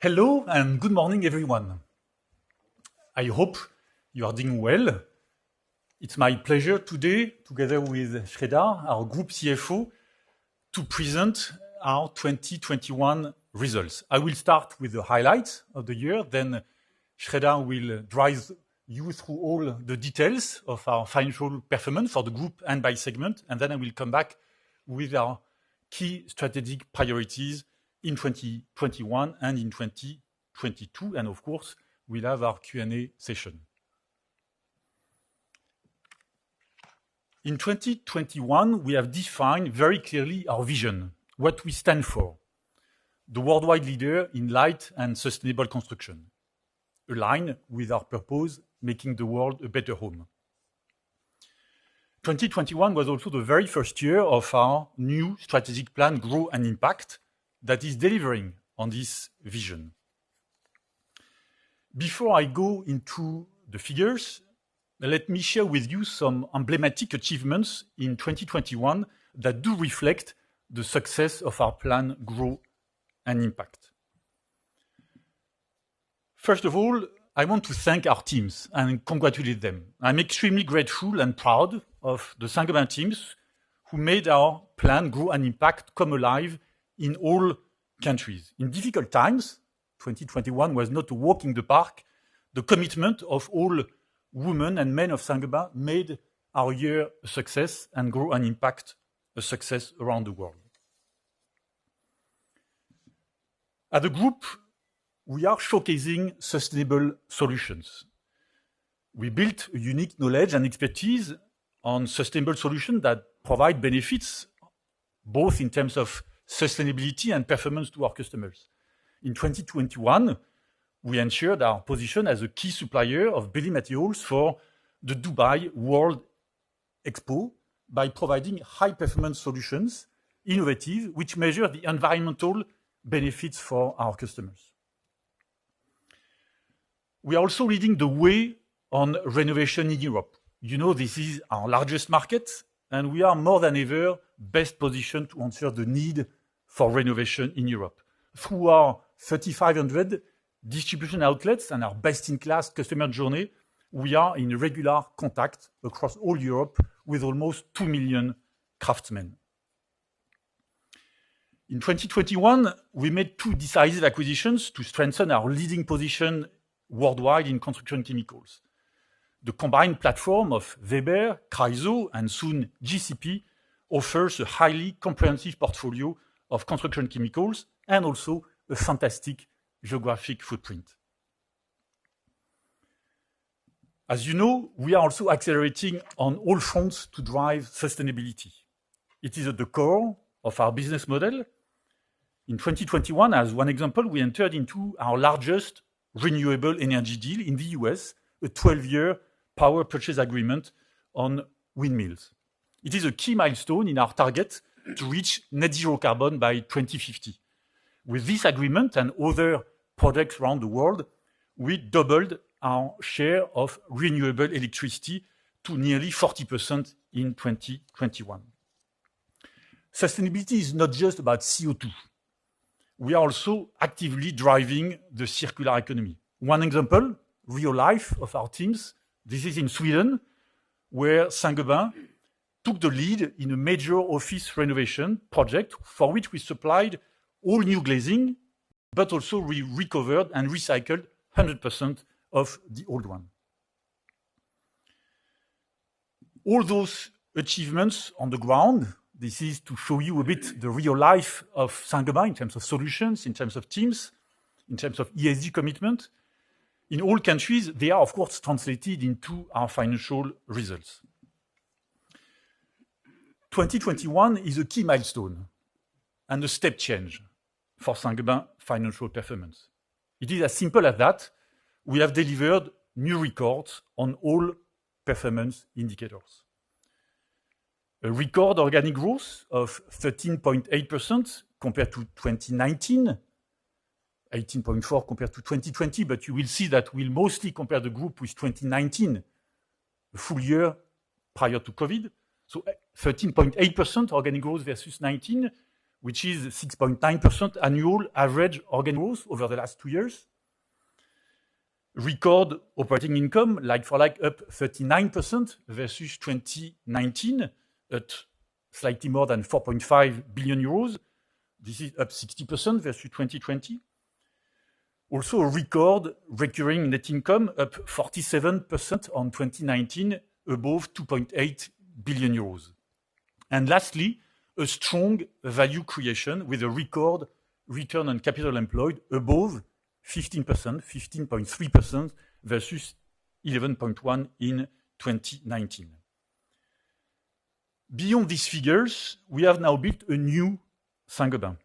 Hello, and good morning, everyone. I hope you are doing well. It's my pleasure today, together with Sreedhar N, our Group CFO, to present our 2021 results. I will start with the highlights of the year, then Sreedhar N will drive you through all the details of our financial performance for the group and by segment, and then I will come back with our key strategic priorities in 2021 and in 2022. Of course, we'll have our Q&A session. In 2021, we have defined very clearly our vision, what we stand for, the worldwide leader in light and sustainable construction, aligned with our purpose, making the world a better home. 2021 was also the very first year of our new strategic plan, Grow & Impact, that is delivering on this vision. Before I go into the figures, let me share with you some emblematic achievements in 2021 that do reflect the success of our plan, Grow & Impact. First of all, I want to thank our teams and congratulate them. I'm extremely grateful and proud of the Saint-Gobain teams who made our plan, Grow & Impact, come alive in all countries. In difficult times, 2021 was not a walk in the park. The commitment of all women and men of Saint-Gobain made our year a success and Grow & Impact a success around the world. At the group, we are showcasing sustainable solutions. We built a unique knowledge and expertise on sustainable solution that provide benefits both in terms of sustainability and performance to our customers. In 2021, we ensured our position as a key supplier of building materials for the Dubai World Expo by providing high-performance solutions, innovative, which measure the environmental benefits for our customers. We are also leading the way on renovation in Europe. You know, this is our largest market, and we are more than ever best positioned to answer the need for renovation in Europe. Through our 3,500 distribution outlets and our best-in-class customer journey, we are in regular contact across all Europe with almost 2 million craftsmen. In 2021, we made two decisive acquisitions to strengthen our leading position worldwide in construction chemicals. The combined platform of Weber, Chryso, and soon GCP offers a highly comprehensive portfolio of construction chemicals and also a fantastic geographic footprint. As you know, we are also accelerating on all fronts to drive sustainability. It is at the core of our business model. In 2021, as one example, we entered into our largest renewable energy deal in the U.S., a 12-year power purchase agreement on windmills. It is a key milestone in our target to reach net zero carbon by 2050. With this agreement and other projects around the world, we doubled our share of renewable electricity to nearly 40% in 2021. Sustainability is not just about CO₂. We are also actively driving the circular economy. One example, real life of our teams. This is in Sweden, where Saint-Gobain took the lead in a major office renovation project for which we supplied all new glazing, but also we recovered and recycled 100% of the old one. All those achievements on the ground, this is to show you a bit the real life of Saint-Gobain in terms of solutions, in terms of teams, in terms of ESG commitment. In all countries, they are, of course, translated into our financial results. 2021 is a key milestone and a step change for Saint-Gobain financial performance. It is as simple as that. We have delivered new records on all performance indicators. A record organic growth of 13.8% compared to 2019, 18.4 compared to 2020, but you will see that we'll mostly compare the group with 2019, the full year prior to COVID. Thirteen point eight percent organic growth versus 2019, which is 6.9% annual average organic growth over the last two years. Record operating income, like-for-like, up 39% versus 2019 at slightly more than 4.5 billion euros. This is up 60% versus 2020. Also, a record recurring net income, up 47% on 2019, above 2.8 billion euros. Lastly, a strong value creation with a record Return on Capital Employed above 15%, 15.3% versus 11.1% in 2019. Beyond these figures, we have now built a new Saint-Gobain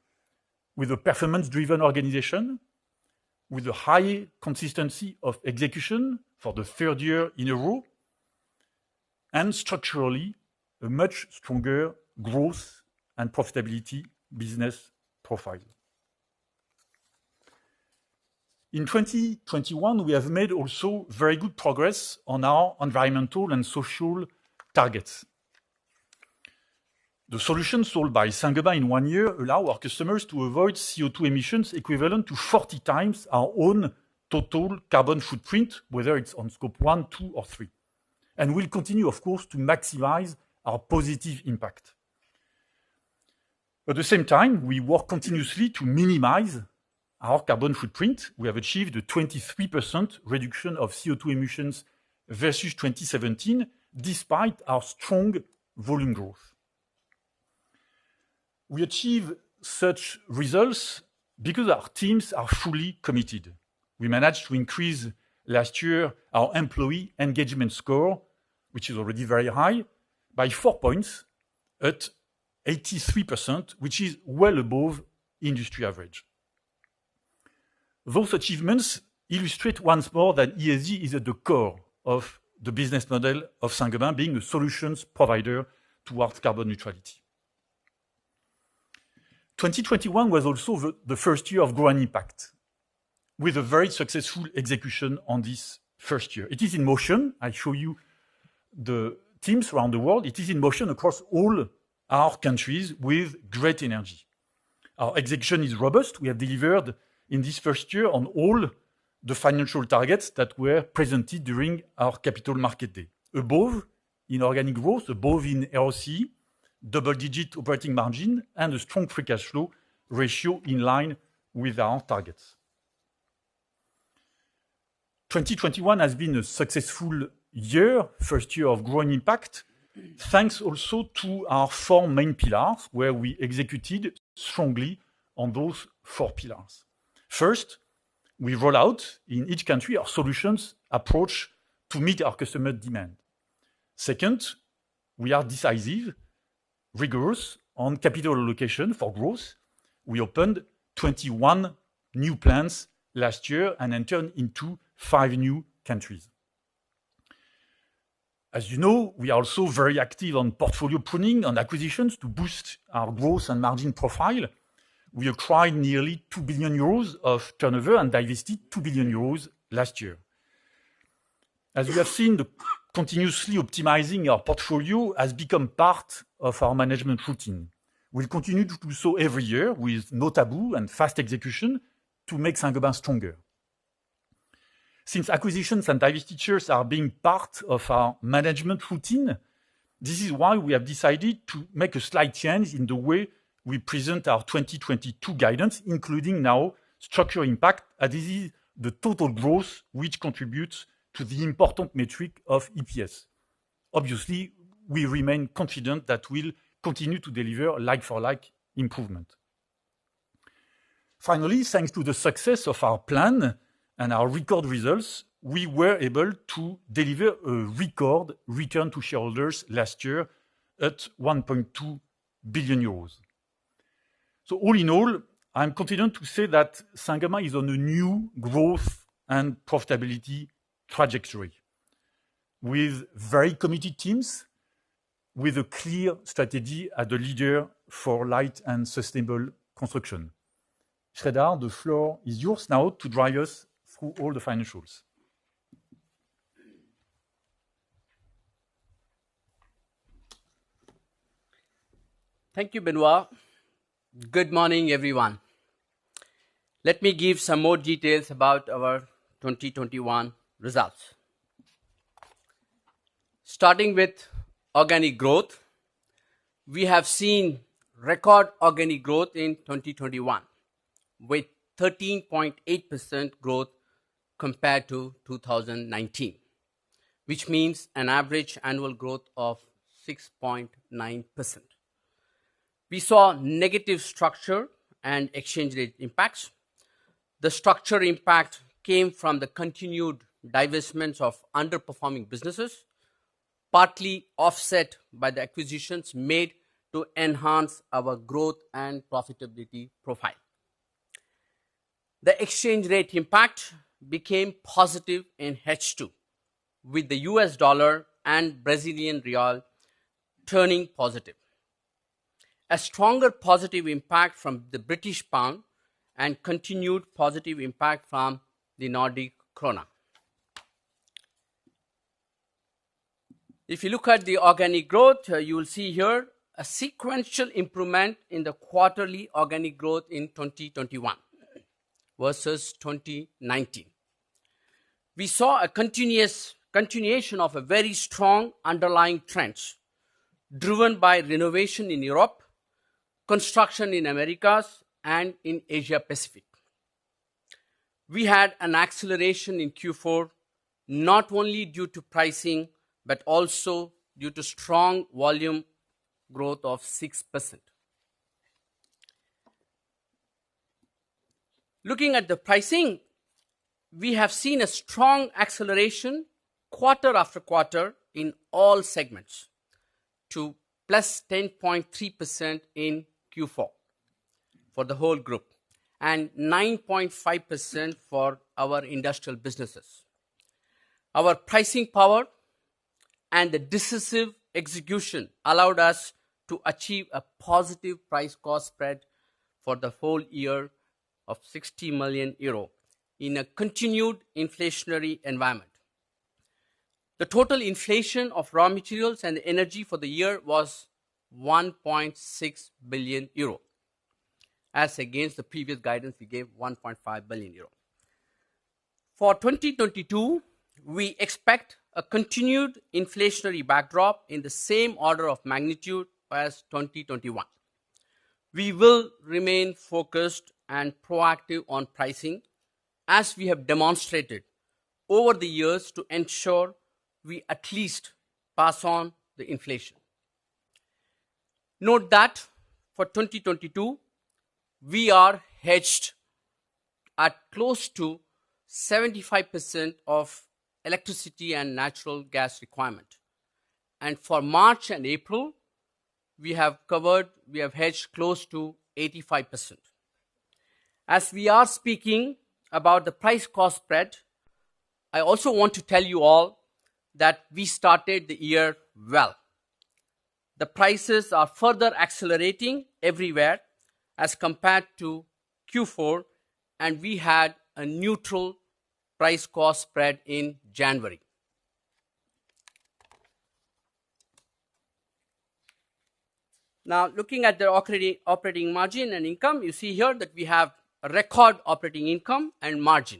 with a performance-driven organization, with a high consistency of execution for the third year in a row, and structurally, a much stronger growth and profitability business profile. In 2021, we have made also very good progress on our environmental and social targets. The solutions sold by Saint-Gobain in one year allow our customers to avoid CO₂ emissions equivalent to 40 times our own total carbon footprint, whether it's on scope one, two, or three. We'll continue, of course, to maximize our positive impact. At the same time, we work continuously to minimize our carbon footprint. We have achieved a 23% reduction of CO₂ emissions versus 2017, despite our strong volume growth. We achieve such results because our teams are fully committed. We managed to increase last year our employee engagement score, which is already very high, by 4 points at 83%, which is well above industry average. Those achievements illustrate once more that ESG is at the core of the business model of Saint-Gobain being a solutions provider towards carbon neutrality. 2021 was also the first year of Grow and Impact with a very successful execution on this first year. It is in motion. I show you the teams around the world. It is in motion across all our countries with great energy. Our execution is robust. We have delivered in this first year on all the financial targets that were presented during our Capital Markets Day. Above in organic growth, above in ROCE, double-digit operating margin, and a strong free cash flow ratio in line with our targets. 2021 has been a successful year, first year of Grow and Impact, thanks also to our four main pillars, where we executed strongly on those four pillars. First, we roll out in each country our solutions approach to meet our customer demand. Second, we are decisive, rigorous on capital allocation for growth. We opened 21 new plants last year and entered into five new countries. As you know, we are also very active on portfolio pruning, on acquisitions to boost our growth and margin profile. We acquired nearly 2 billion euros of turnover and divested two billion euros last year. As we have seen, the continuous optimization of our portfolio has become part of our management routine. We'll continue to do so every year with no taboo and fast execution to make Saint-Gobain stronger. Since acquisitions and divestitures are being part of our management routine, this is why we have decided to make a slight change in the way we present our 2022 guidance, including now structural impact, that is the total growth which contributes to the important metric of EPS. Obviously, we remain confident that we'll continue to deliver like-for-like improvement. Finally, thanks to the success of our plan and our record results, we were able to deliver a record return to shareholders last year at 1.2 billion euros. All in all, I'm confident to say that Saint-Gobain is on a new growth and profitability trajectory with very committed teams, with a clear strategy as a leader for light and sustainable construction. Sreedhar, the floor is yours now to drive us through all the financials. Thank you, Benoit. Good morning, everyone. Let me give some more details about our 2021 results. Starting with organic growth. We have seen record organic growth in 2021, with 13.8% growth compared to 2019, which means an average annual growth of 6.9%. We saw negative structure and exchange rate impacts. The structure impact came from the continued divestments of underperforming businesses, partly offset by the acquisitions made to enhance our growth and profitability profile. The exchange rate impact became positive in H2 with the US dollar and Brazilian real turning positive. A stronger positive impact from the British pound and continued positive impact from the Swedish krona. If you look at the organic growth, you will see here a sequential improvement in the quarterly organic growth in 2021 versus 2019. We saw a continuous continuation of a very strong underlying trends driven by renovation in Europe, construction in Americas and in Asia Pacific. We had an acceleration in Q4, not only due to pricing, but also due to strong volume growth of 6%. Looking at the pricing, we have seen a strong acceleration quarter-after-quarter in all segments to +10.3% in Q4 for the whole group and 9.5% for our industrial businesses. Our pricing power and the decisive execution allowed us to achieve a positive price cost spread for the whole year of 60 million euro in a continued inflationary environment. The total inflation of raw materials and energy for the year was 1.6 billion euro, as against the previous guidance we gave 1.5 billion euro. For 2022, we expect a continued inflationary backdrop in the same order of magnitude as 2021. We will remain focused and proactive on pricing as we have demonstrated over the years to ensure we at least pass on the inflation. Note that for 2022, we are hedged at close to 75% of electricity and natural gas requirement. For March and April, we have hedged close to 85%. As we are speaking about the price cost spread, I also want to tell you all that we started the year well. The prices are further accelerating everywhere as compared to Q4, and we had a neutral price cost spread in January. Now looking at the operating margin and income, you see here that we have a record operating income and margin.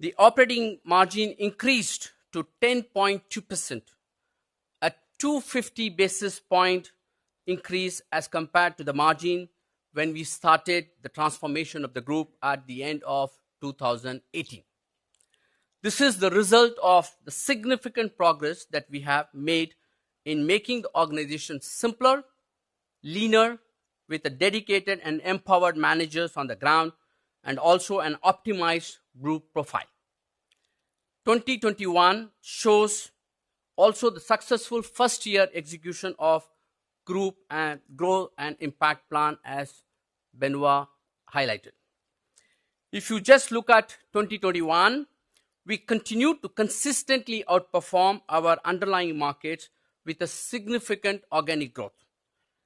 The operating margin increased to 10.2%. A 250 basis point increase as compared to the margin when we started the transformation of the group at the end of 2018. This is the result of the significant progress that we have made in making the organization simpler, leaner, with a dedicated and empowered managers on the ground, and also an optimized group profile. 2021 shows also the successful first year execution of Grow & Impact plan as Benoit highlighted. If you just look at 2021, we continue to consistently outperform our underlying markets with a significant organic growth,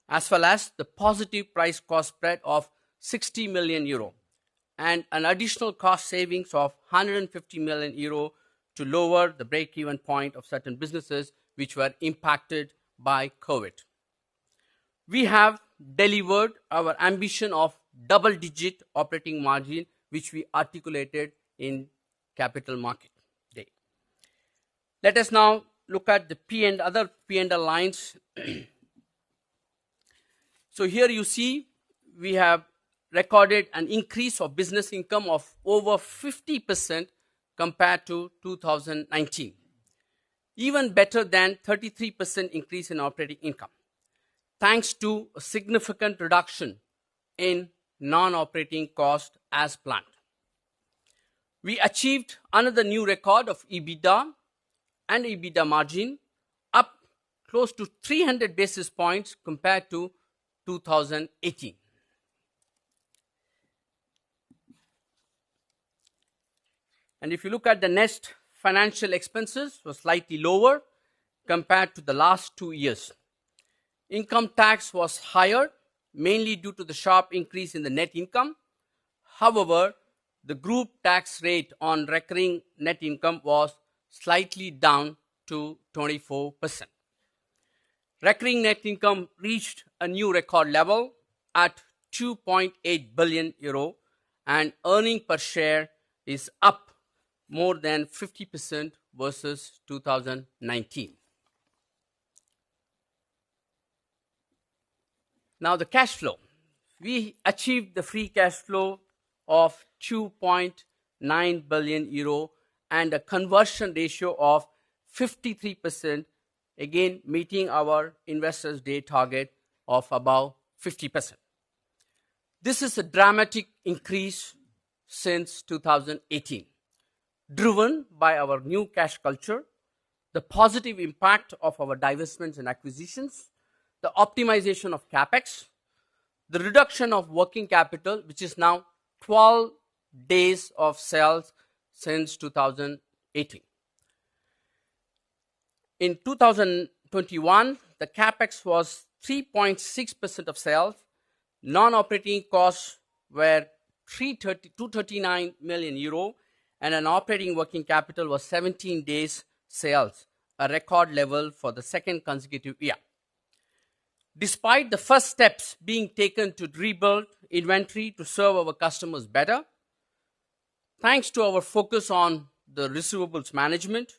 as well as the positive price-cost spread of 60 million euro and an additional cost savings of 150 million euro to lower the break-even point of certain businesses which were impacted by COVID. We have delivered our ambition of double-digit operating margin, which we articulated in Capital Markets Day. Let us now look at the other P&L lines. Here you see we have recorded an increase of business income of over 50% compared to 2019. Even better than 33% increase in operating income, thanks to a significant reduction in non-operating cost as planned. We achieved another new record of EBITDA and EBITDA margin, up close to 300 basis points compared to 2018. If you look at the next, financial expenses were slightly lower compared to the last two years. Income tax was higher, mainly due to the sharp increase in the net income. However, the group tax rate on recurring net income was slightly down to 24%. Recurring net income reached a new record level at 2.8 billion euro and earnings per share is up more than 50% versus 2019. Now the cash flow. We achieved free cash flow of 2.9 billion euro and a conversion ratio of 53%, again meeting our Investor Day target of above 50%. This is a dramatic increase since 2018, driven by our new cash culture, the positive impact of our divestments and acquisitions, the optimization of CapEx, the reduction of working capital, which is now 12 days of sales since 2018. In 2021, CapEx was 3.6% of sales. Non-operating costs were 239 million euro and operating working capital was 17 days sales, a record level for the second consecutive year. Despite the first steps being taken to rebuild inventory to serve our customers better, thanks to our focus on the receivables management,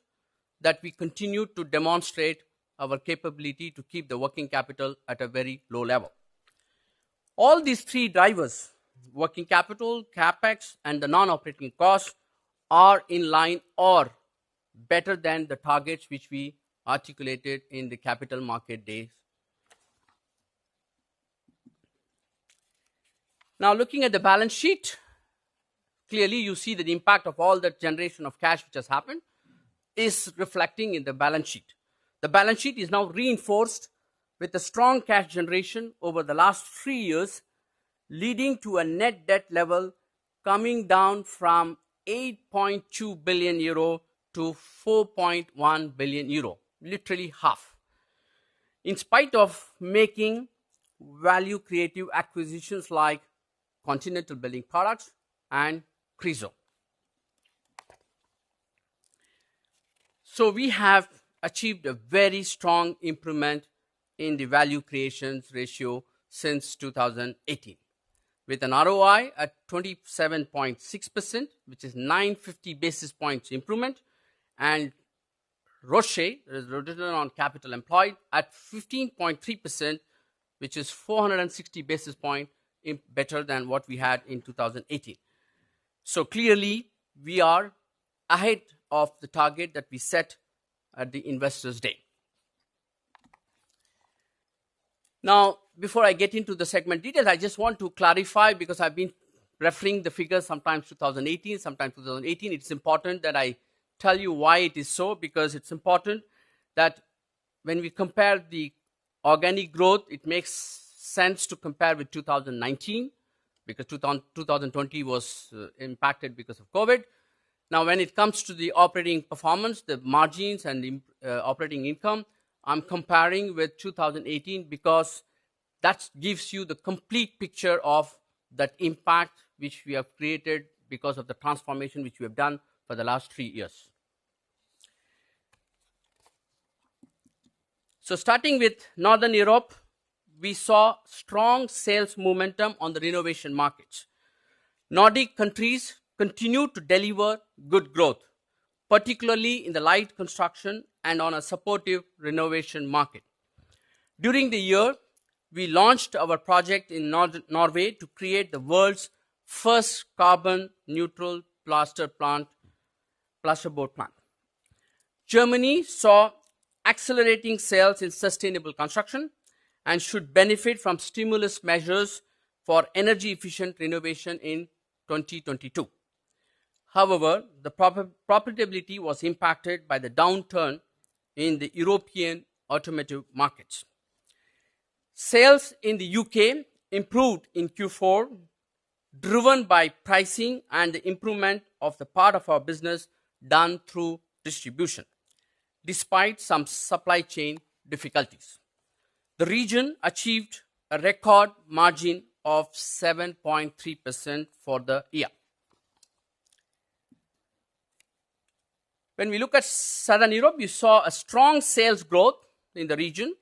that we continue to demonstrate our capability to keep the working capital at a very low level. All these three drivers, working capital, CapEx, and the non-operating costs are in line or better than the targets which we articulated in the Capital Markets Day. Now looking at the balance sheet, clearly you see that the impact of all that generation of cash which has happened is reflecting in the balance sheet. The balance sheet is now reinforced with the strong cash generation over the last three years, leading to a net debt level coming down from 8.2 billion euro to 4.1 billion euro, literally half. In spite of making value creative acquisitions like Continental Building Products and Chryso. We have achieved a very strong improvement in the value creation ratio since 2018, with an ROI at 27.6%, which is 950 basis points improvement, and ROCE, return on capital employed, at 15.3%, which is 460 basis points better than what we had in 2018. Clearly, we are ahead of the target that we set at the Investor Day. Now, before I get into the segment details, I just want to clarify, because I've been referring to the figures, sometimes 2018, sometimes 2018. It's important that I tell you why it is so, because it's important that when we compare the organic growth, it makes sense to compare with 2019, because 2020 was impacted because of COVID. Now, when it comes to the operating performance, the margins and operating income, I'm comparing with 2018 because that's gives you the complete picture of that impact which we have created because of the transformation which we have done for the last three years. Starting with Northern Europe, we saw strong sales momentum on the renovation markets. Nordic countries continued to deliver good growth, particularly in the light construction and on a supportive renovation market. During the year, we launched our project in Norway to create the world's first carbon neutral plaster plant, plasterboard plant. Germany saw accelerating sales in sustainable construction and should benefit from stimulus measures for energy-efficient renovation in 2022. However, the profitability was impacted by the downturn in the European automotive markets. Sales in the U.K. improved in Q4, driven by pricing and the improvement of the part of our business done through distribution, despite some supply chain difficulties. The region achieved a record margin of 7.3% for the year. When we look at Southern Europe, we saw a strong sales growth in the region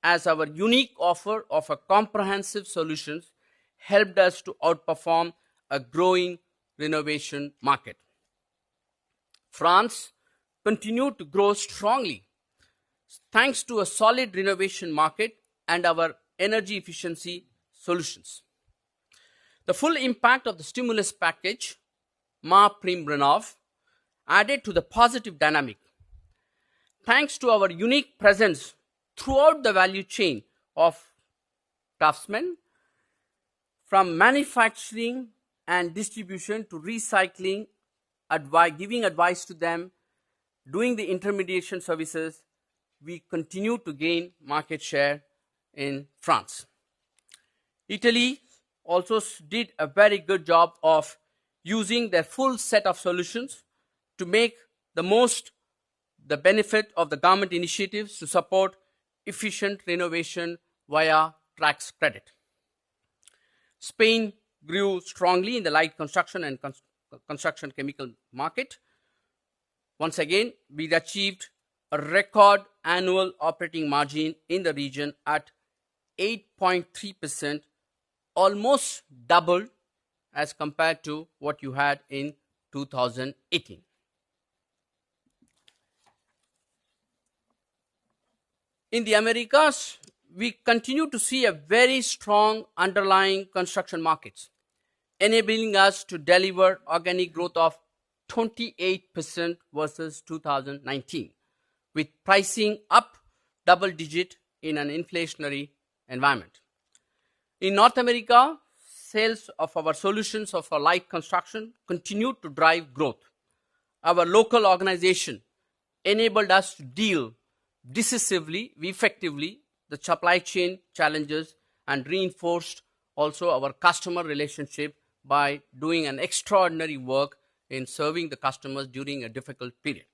as our unique offer of a comprehensive solutions helped us to outperform a growing renovation market. France continued to grow strongly, thanks to a solid renovation market and our energy efficiency solutions. The full impact of the stimulus package, MaPrimeRénov', added to the positive dynamic. Thanks to our unique presence throughout the value chain of craftsmen, from manufacturing and distribution to recycling, giving advice to them, doing the intermediation services, we continue to gain market share in France. Italy did a very good job of using their full set of solutions to make the most of the benefit of the government initiatives to support efficient renovation via tax credit. Spain grew strongly in the light construction and construction chemical market. Once again, we achieved a record annual operating margin in the region at 8.3%, almost double as compared to what you had in 2018. In the Americas, we continue to see a very strong underlying construction markets, enabling us to deliver organic growth of 28% versus 2019, with pricing up double-digit in an inflationary environment. In North America, sales of our solutions of our light construction continued to drive growth. Our local organization enabled us to deal decisively and effectively with the supply chain challenges and also reinforced our customer relationships by doing extraordinary work in serving the customers during a difficult period.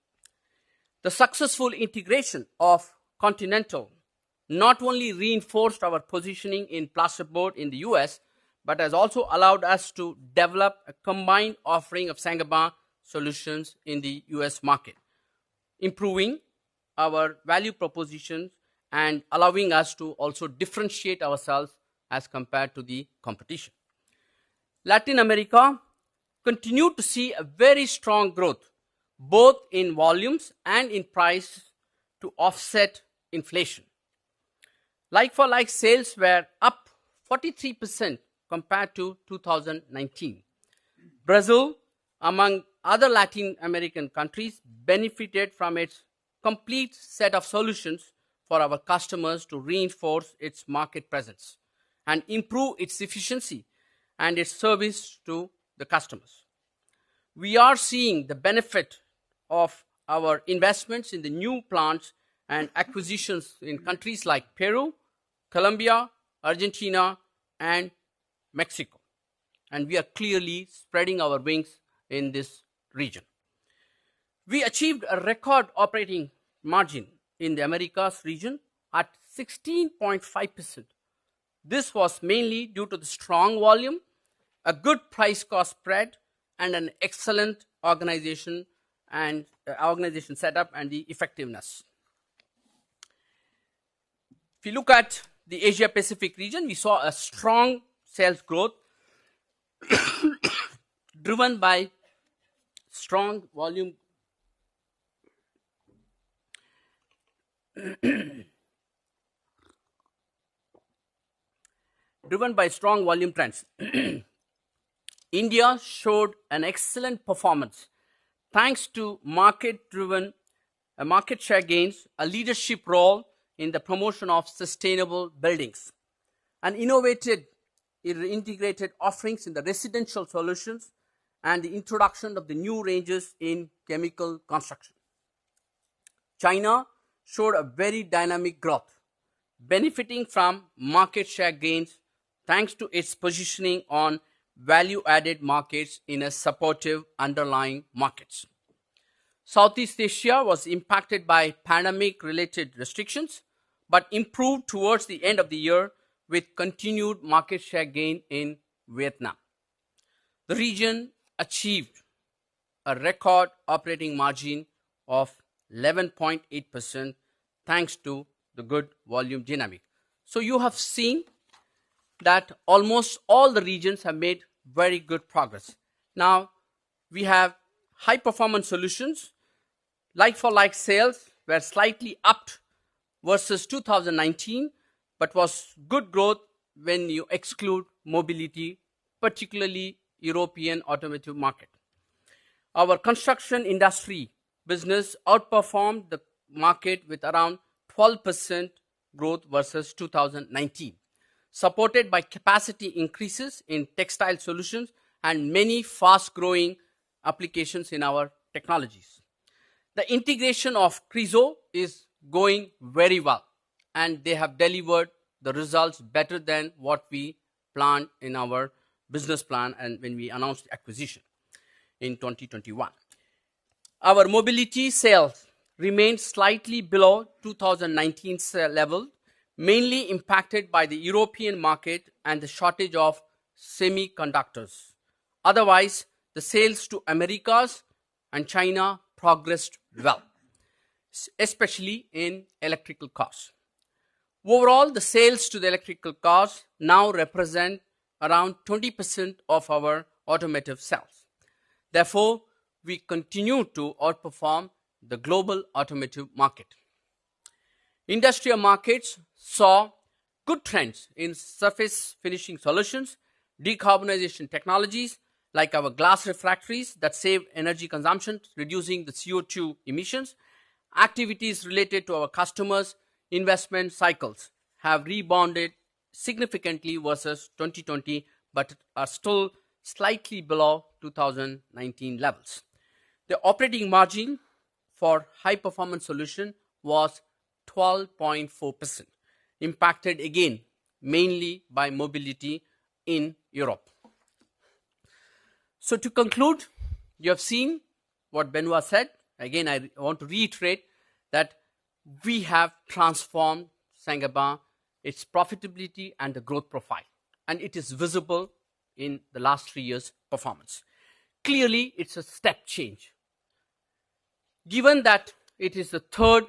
The successful integration of Continental not only reinforced our positioning in plasterboard in the U.S., but has also allowed us to develop a combined offering of Saint-Gobain solutions in the U.S. market, improving our value propositions and allowing us to also differentiate ourselves as compared to the competition. Latin America continued to see very strong growth, both in volumes and in price, to offset inflation. Like-for-like sales were up 43% compared to 2019. Brazil, among other Latin American countries, benefited from its complete set of solutions for our customers to reinforce its market presence and improve its efficiency and its service to the customers. We are seeing the benefit of our investments in the new plants and acquisitions in countries like Peru, Colombia, Argentina, and Mexico, and we are clearly spreading our wings in this region. We achieved a record operating margin in the Americas region at 16.5%. This was mainly due to the strong volume, a good price cost spread, and an excellent organization set up and the effectiveness. If you look at the Asia Pacific region, we saw a strong sales growth driven by strong volume trends. India showed an excellent performance thanks to market share gains, a leadership role in the promotion of sustainable buildings, and innovated integrated offerings in the residential solutions and the introduction of the new ranges in chemical construction. China showed a very dynamic growth, benefiting from market share gains, thanks to its positioning on value-added markets in a supportive underlying markets. Southeast Asia was impacted by pandemic-related restrictions, but improved towards the end of the year with continued market share gain in Vietnam. The region achieved a record operating margin of 11.8%, thanks to the good volume dynamic. You have seen that almost all the regions have made very good progress. Now, we have High-Performance Solutions. Like-for-like sales were slightly up versus 2019, but was good growth when you exclude mobility, particularly European automotive market. Our construction industry business outperformed the market with around 12% growth versus 2019, supported by capacity increases in textile solutions and many fast-growing applications in our technologies. The integration of Chryso is going very well, and they have delivered the results better than what we planned in our business plan and when we announced acquisition in 2021. Our mobility sales remained slightly below 2019 levels, mainly impacted by the European market and the shortage of semiconductors. Otherwise, the sales to the Americas and China progressed well, especially in electric cars. Overall, the sales to the electric cars now represent around 20% of our automotive sales. Therefore, we continue to outperform the global automotive market. Industrial markets saw good trends in surface finishing solutions, decarbonization technologies, like our glass refractories that save energy consumption, reducing the CO₂ emissions. Activities related to our customers' investment cycles have rebounded significantly versus 2020, but are still slightly below 2019 levels. The operating margin for High Performance Solutions was 12.4%, impacted again mainly by mobility in Europe. To conclude, you have seen what Benoit said. Again, I want to reiterate that we have transformed Saint-Gobain, its profitability and the growth profile, and it is visible in the last three years' performance. Clearly, it's a step change. Given that it is the third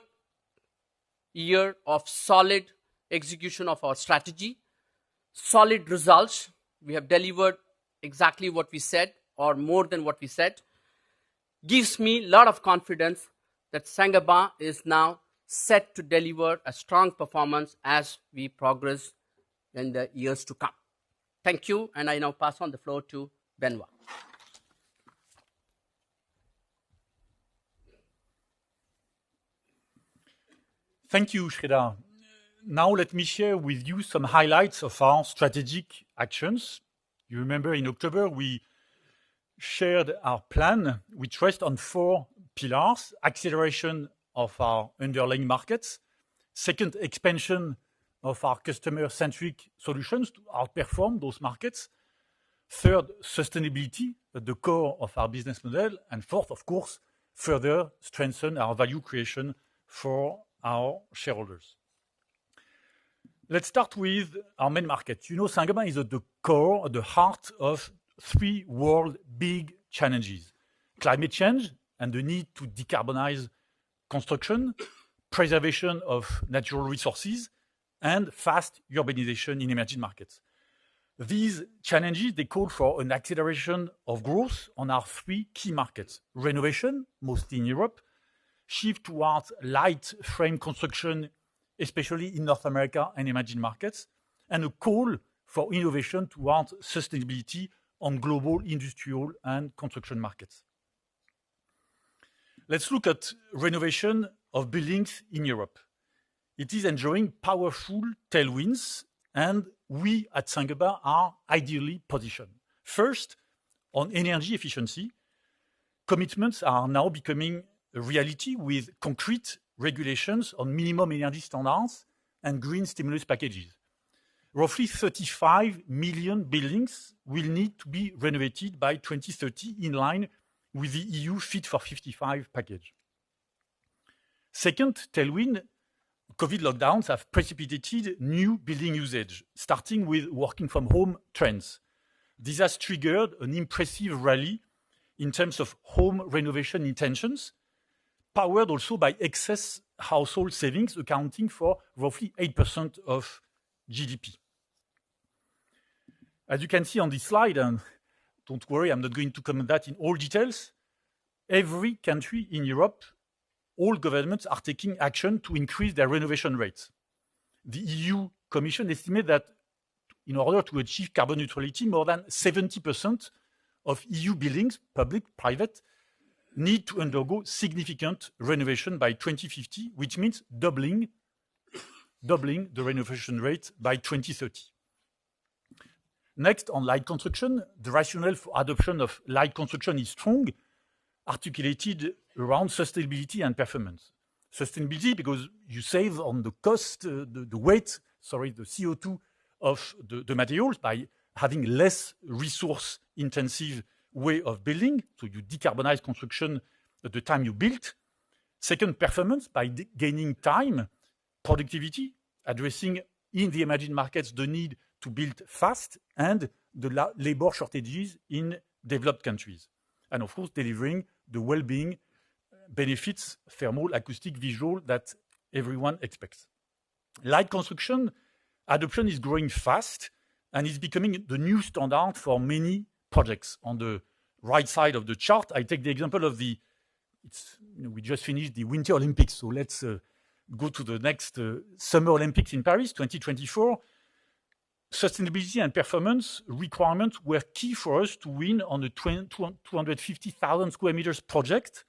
year of solid execution of our strategy, solid results, we have delivered exactly what we said or more than what we said, gives me a lot of confidence that Saint-Gobain is now set to deliver a strong performance as we progress in the years to come. Thank you, and I now pass on the floor to Benoit. Thank you, Sreedhar. Now let me share with you some highlights of our strategic actions. You remember in October, we shared our plan, which rest on four pillars. Acceleration of our underlying markets. Second, expansion of our customer-centric solutions to outperform those markets. Third, sustainability at the core of our business model. And fourth, of course, further strengthen our value creation for our shareholders. Let's start with our main market. You know, Saint-Gobain is at the core or the heart of three world's biggest challenges. Climate change and the need to decarbonize construction, preservation of natural resources, and fast urbanization in emerging markets. These challenges, they call for an acceleration of growth on our three key markets. Renovation, mostly in Europe, shift towards light frame construction, especially in North America and emerging markets, and a call for innovation towards sustainability on global, industrial, and construction markets. Let's look at renovation of buildings in Europe. It is enjoying powerful tailwinds, and we at Saint-Gobain are ideally positioned. First, on energy efficiency, commitments are now becoming a reality with concrete regulations on minimum energy standards and green stimulus packages. Roughly 35 million buildings will need to be renovated by 2030 in line with the EU Fit for 55 package. Second tailwind, COVID lockdowns have precipitated new building usage, starting with working from home trends. This has triggered an impressive rally in terms of home renovation intentions, powered also by excess household savings accounting for roughly 8% of GDP. As you can see on this slide, and don't worry, I'm not going to comment that in all details. Every country in Europe, all governments are taking action to increase their renovation rates. The European Commission estimates that in order to achieve carbon neutrality, more than 70% of EU buildings, public, private, need to undergo significant renovation by 2050, which means doubling the renovation rate by 2030. Next, on light construction. The rationale for adoption of light construction is strong, articulated around sustainability and performance. Sustainability because you save on the CO2 of the materials by having less resource-intensive way of building. So you decarbonize construction at the time you build. Second, performance by gaining time, productivity, addressing in the emerging markets the need to build fast and the labor shortages in developed countries. Of course, delivering the well-being benefits, thermal, acoustic, visual, that everyone expects. Light construction adoption is growing fast and is becoming the new standard for many projects. On the right side of the chart, I take the example of the. It's, you know, we just finished the Winter Olympics, so let's go to the next Summer Olympics in Paris, 2024. Sustainability and performance requirements were key for us to win on the 250,000 sq m project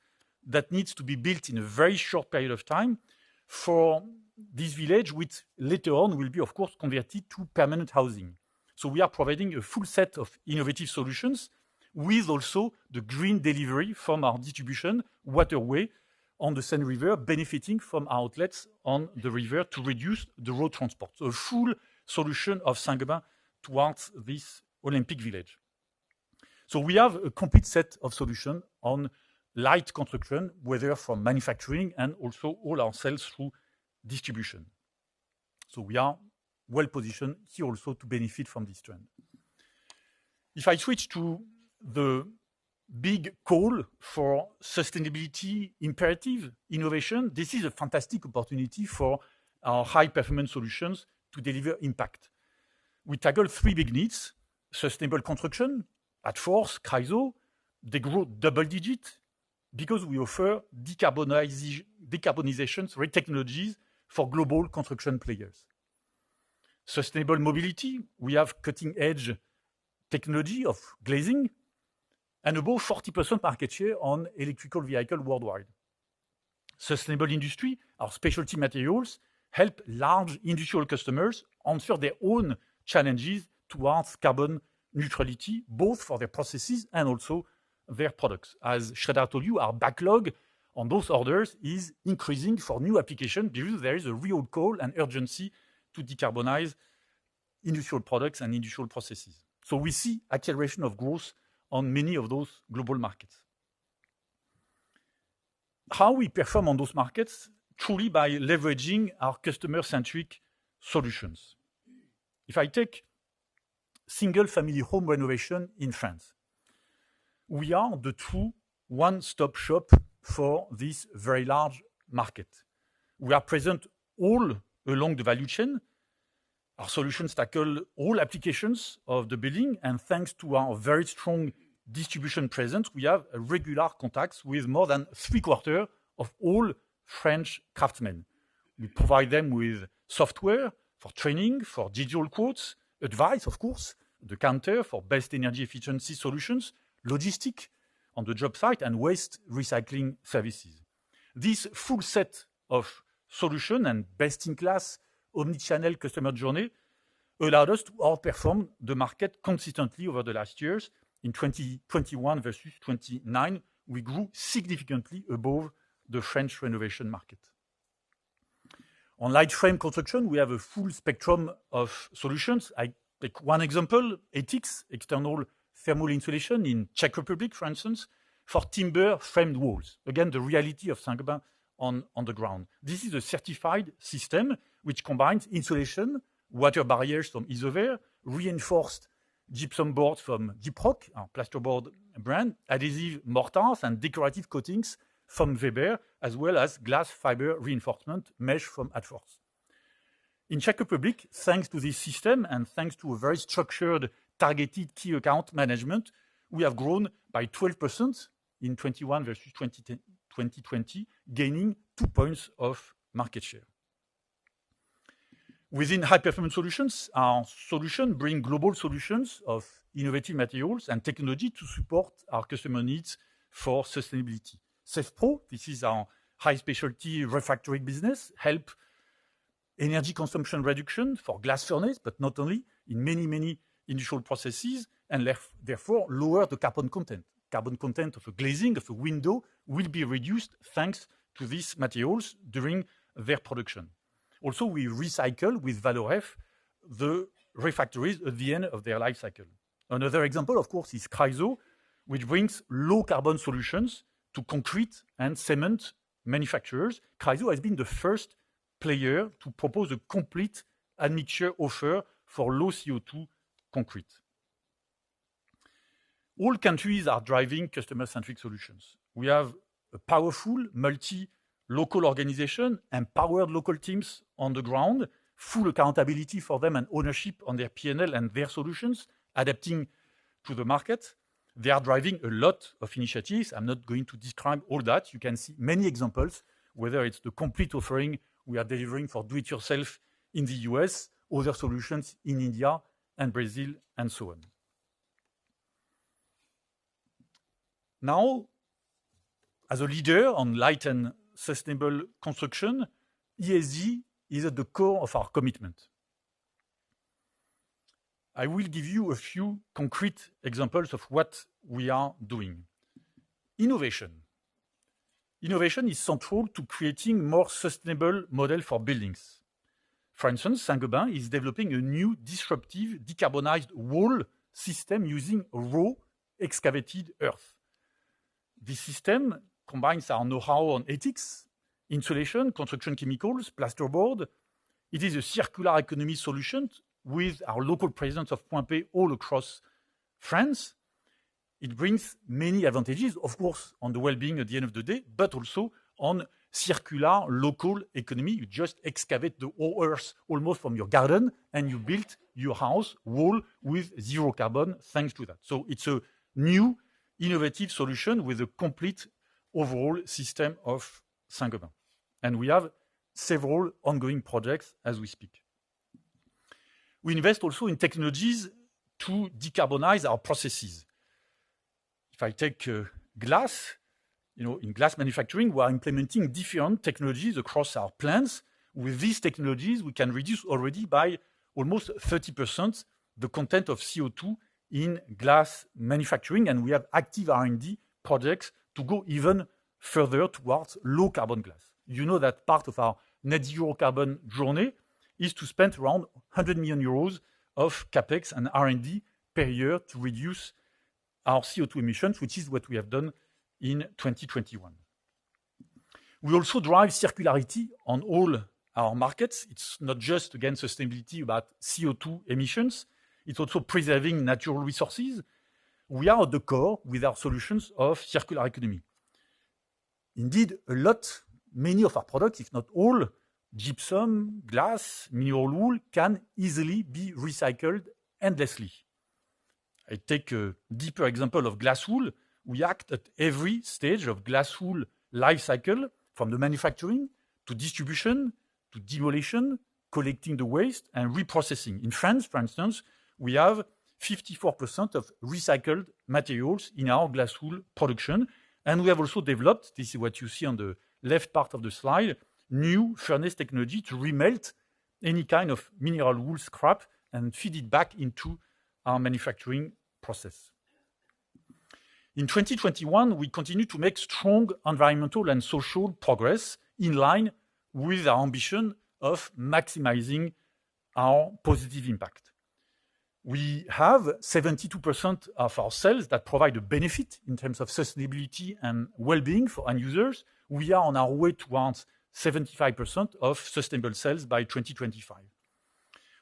that needs to be built in a very short period of time for this village, which later on will be, of course, converted to permanent housing. We are providing a full set of innovative solutions with also the green delivery from our distribution waterway on the Seine River, benefiting from outlets on the river to reduce the road transport. A full solution of Saint-Gobain towards this Olympic village. We have a complete set of solution on light construction, whether from manufacturing and also all our sales through distribution. We are well-positioned here also to benefit from this trend. If I switch to the big call for sustainability imperative innovation, this is a fantastic opportunity for our high-performance solutions to deliver impact. We tackle three big needs. Sustainable construction, Adfors, Chryso, they grow double-digit because we offer decarbonization technologies for global construction players. Sustainable mobility, we have cutting-edge technology of glazing and above 40% market share in electric vehicles worldwide. Sustainable industry, our specialty materials help large industrial customers answer their own challenges towards carbon neutrality, both for their processes and also their products. As Sreedhar told you, our backlog on those orders is increasing for new applications because there is a real call and urgency to decarbonize industrial products and industrial processes. We see acceleration of growth on many of those global markets. How we perform on those markets? Truly, by leveraging our customer-centric solutions. If I take single-family home renovation in France, we are the true one-stop shop for this very large market. We are present all along the value chain. Our solutions tackle all applications of the building, and thanks to our very strong distribution presence, we have regular contacts with more than Q3 of all French craftsmen. We provide them with software for training, for digital quotes, advice, of course, the counter for best energy efficiency solutions, logistics on the job site, and waste recycling services. This full set of solutions and best-in-class omni-channel customer journey allowed us to outperform the market consistently over the last years. In 2021 versus 2019, we grew significantly above the French renovation market. On light frame construction, we have a full spectrum of solutions. I take one example, ETICS, external thermal insulation in Czech Republic, for instance, for timber framed walls. The reality of Saint-Gobain on the ground. This is a certified system which combines insulation, water barriers from Isover, reinforced gypsum boards from Gyproc, our plasterboard brand, adhesive mortars and decorative coatings from Weber, as well as glass fiber reinforcement mesh from Adfors. In Czech Republic, thanks to this system and thanks to a very structured, targeted key account management, we have grown by 12% in 2021 versus 2020, gaining two points of market share. Within high-performance solutions, our solution bring global solutions of innovative materials and technology to support our customer needs for sustainability. SEFPRO, this is our high specialty refractory business, help energy consumption reduction for glass furnace, but not only in many, many industrial processes, and therefore lower the carbon content. Carbon content of a glazing of a window will be reduced, thanks to these materials during their production. Also, we recycle with Valoref the refractories at the end of their life cycle. Another example, of course, is Chryso, which brings low carbon solutions to concrete and cement manufacturers. Chryso has been the first player to propose a complete admixture offer for low CO₂ concrete. All countries are driving customer-centric solutions. We have a powerful multi-local organization, empowered local teams on the ground, full accountability for them and ownership on their P&L and their solutions, adapting to the market. They are driving a lot of initiatives. I'm not going to describe all that. You can see many examples, whether it's the complete offering we are delivering for do-it-yourself in the U.S., other solutions in India and Brazil, and so on. Now, as a leader on light and sustainable construction, ESG is at the core of our commitment. I will give you a few concrete examples of what we are doing. Innovation is central to creating more sustainable model for buildings. For instance, Saint-Gobain is developing a new disruptive decarbonized wall system using raw excavated earth. This system combines our know-how on ETICS, insulation, construction chemicals, plasterboard. It is a circular economy solution with our local presence of Point.P all across France. It brings many advantages, of course, on the well-being at the end of the day, but also on circular local economy. You just excavate the whole earth almost from your garden, and you build your house wall with zero carbon, thanks to that. It's a new innovative solution with a complete overall system of Saint-Gobain. We have several ongoing projects as we speak. We invest also in technologies to decarbonize our processes. If I take glass, you know, in glass manufacturing, we are implementing different technologies across our plants. With these technologies, we can reduce already by almost 30% the content of CO₂ in glass manufacturing, and we have active R&D projects to go even further towards low carbon glass. You know that part of our net zero carbon journey is to spend around 100 million euros of CapEx and R&D per year to reduce our CO₂ emissions, which is what we have done in 2021. We also drive circularity on all our markets. It's not just about sustainability, but CO₂ emissions. It's also preserving natural resources. We are at the core with our solutions of circular economy. Indeed, many of our products, if not all, gypsum, glass, mineral wool, can easily be recycled endlessly. I take a deeper example of glass wool. We act at every stage of glass wool life cycle, from the manufacturing to distribution to demolition, collecting the waste, and reprocessing. In France, for instance, we have 54% of recycled materials in our glass wool production, and we have also developed, this is what you see on the left part of the slide, new furnace technology to remelt any kind of mineral wool scrap and feed it back into our manufacturing process. In 2021, we continue to make strong environmental and social progress in line with our ambition of maximizing our positive impact. We have 72% of our sales that provide a benefit in terms of sustainability and well-being for end users. We are on our way towards 75% of sustainable sales by 2025.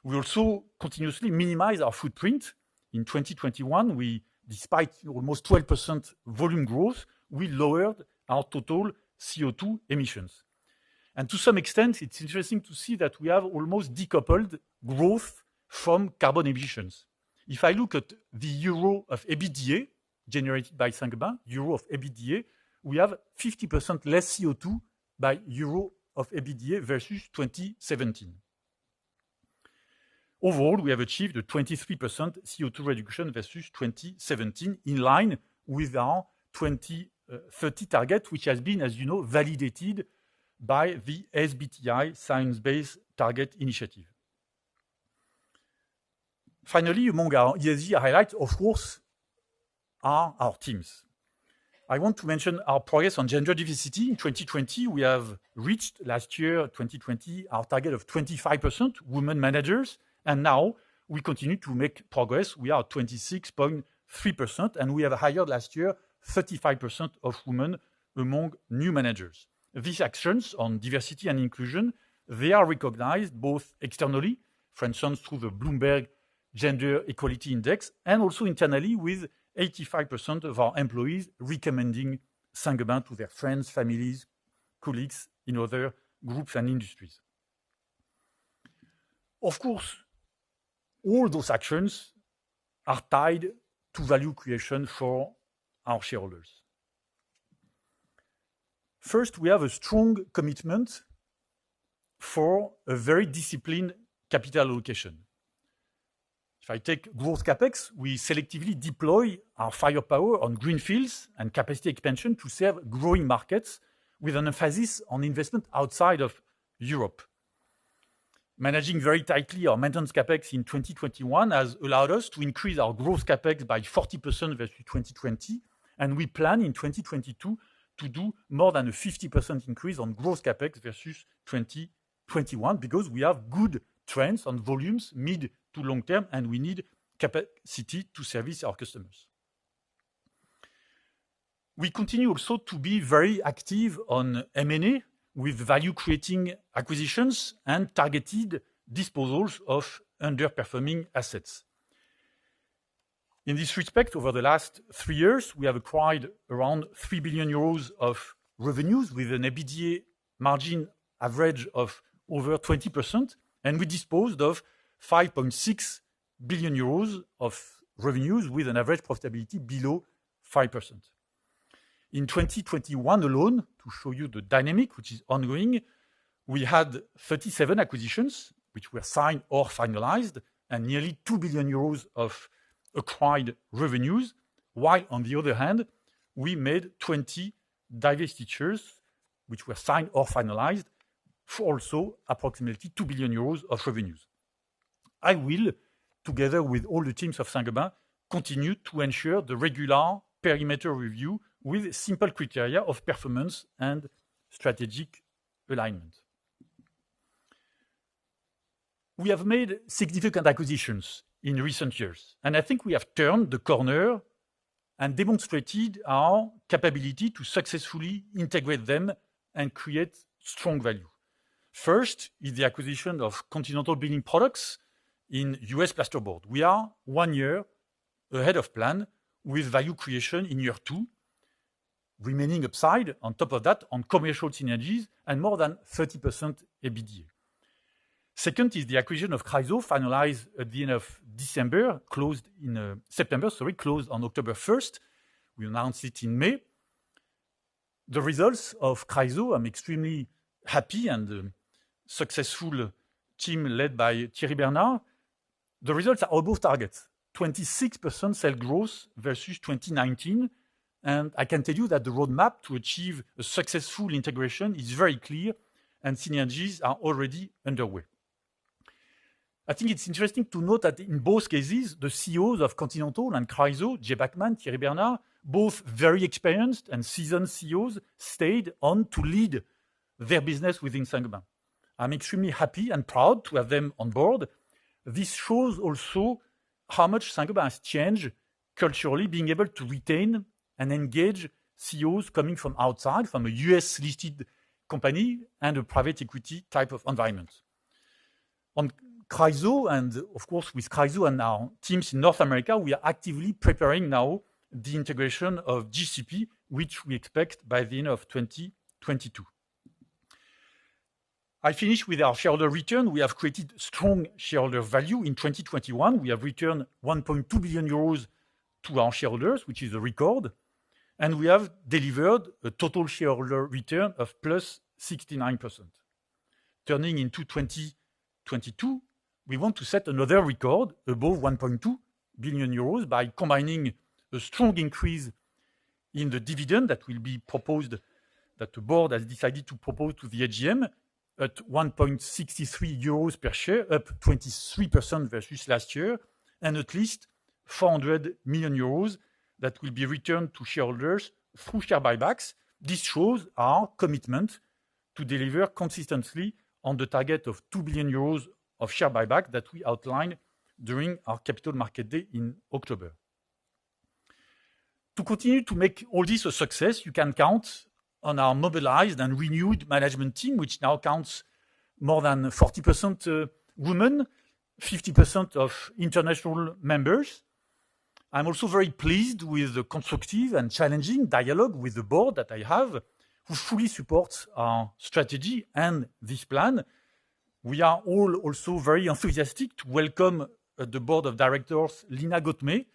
We also continuously minimize our footprint. In 2021, we, despite almost 12% volume growth, we lowered our total CO₂ emissions. To some extent, it's interesting to see that we have almost decoupled growth from carbon emissions. If I look at the euro of EBITDA generated by Saint-Gobain, euro of EBITDA, we have 50% less CO₂ by euro of EBITDA versus 2017. Overall, we have achieved a 23% CO₂ reduction versus 2017 in line with our 2030 target, which has been, as you know, validated by the SBTi Science Based Targets initiative. Finally, among our ESG highlights, of course, are our teams. I want to mention our progress on gender diversity. In 2020, we have reached last year, 2020, our target of 25% women managers, and now we continue to make progress. We are 26.3%, and we have hired last year 35% of women among new managers. These actions on diversity and inclusion, they are recognized both externally, for instance, through the Bloomberg Gender-Equality Index, and also internally with 85% of our employees recommending Saint-Gobain to their friends, families, colleagues in other groups and industries. Of course, all those actions are tied to value creation for our shareholders. First, we have a strong commitment for a very disciplined capital allocation. If I take growth CapEx, we selectively deploy our firepower on greenfields and capacity expansion to serve growing markets with an emphasis on investment outside of Europe. Managing very tightly our maintenance CapEx in 2021 has allowed us to increase our growth CapEx by 40% versus 2020, and we plan in 2022 to do more than a 50% increase on growth CapEx versus 2021 because we have good trends on volumes mid- to long-term, and we need capacity to service our customers. We continue also to be very active on M&A with value-creating acquisitions and targeted disposals of underperforming assets. In this respect, over the last three years, we have acquired around 3 billion euros of revenues with an EBITDA margin average of over 20%, and we disposed of 5.6 billion euros of revenues with an average profitability below 5%. In 2021 alone, to show you the dynamic which is ongoing, we had 37 acquisitions which were signed or finalized, and nearly 2 billion euros of acquired revenues. While on the other hand, we made 20 divestitures which were signed or finalized for also approximately 2 billion euros of revenues. I will, together with all the teams of Saint-Gobain, continue to ensure the regular perimeter review with simple criteria of performance and strategic alignment. We have made significant acquisitions in recent years, and I think we have turned the corner and demonstrated our capability to successfully integrate them and create strong value. First is the acquisition of Continental Building Products in U.S. plasterboard. We are one year ahead of plan with value creation in year two, remaining upside on top of that on commercial synergies and more than 30% EBITDA. Second is the acquisition of Chryso finalized at the end of December, closed on October first. We announced it in May. The results of Chryso. I'm extremely happy with the successful team led by Thierry Bernard. The results are above targets, 26% sales growth versus 2019, and I can tell you that the roadmap to achieve a successful integration is very clear and synergies are already underway. I think it's interesting to note that in both cases, the CEOs of Continental and Chryso, Jay Bachmann, Thierry Bernard, both very experienced and seasoned CEOs, stayed on to lead their business within Saint-Gobain. I'm extremely happy and proud to have them on board. This shows also how much Saint-Gobain has changed culturally, being able to retain and engage CEOs coming from outside, from a U.S.-listed company and a private equity type of environment. On Chryso and of course, with Chryso and our teams in North America, we are actively preparing the integration of GCP, which we expect by the end of 2022. I finish with our shareholder return. We have created strong shareholder value. In 2021, we have returned 1.2 billion euros to our shareholders, which is a record, and we have delivered a total shareholder return of +69%. Turning to 2022, we want to set another record above 1.2 billion euros by combining a strong increase in the dividend that the board has decided to propose to the AGM at 1.63 euros per share, up 23% versus last year, and at least 400 million euros that will be returned to shareholders through share buybacks. This shows our commitment to deliver consistently on the target of 2 billion euros of share buyback that we outlined during our Capital Markets Day in October. To continue to make all this a success, you can count on our mobilized and renewed management team, which now counts more than 40% women, 50% of international members. I'm also very pleased with the constructive and challenging dialogue with the board that I have, who fully supports our strategy and this plan. We are all also very enthusiastic to welcome the board of directors, Lina Ghotmeh,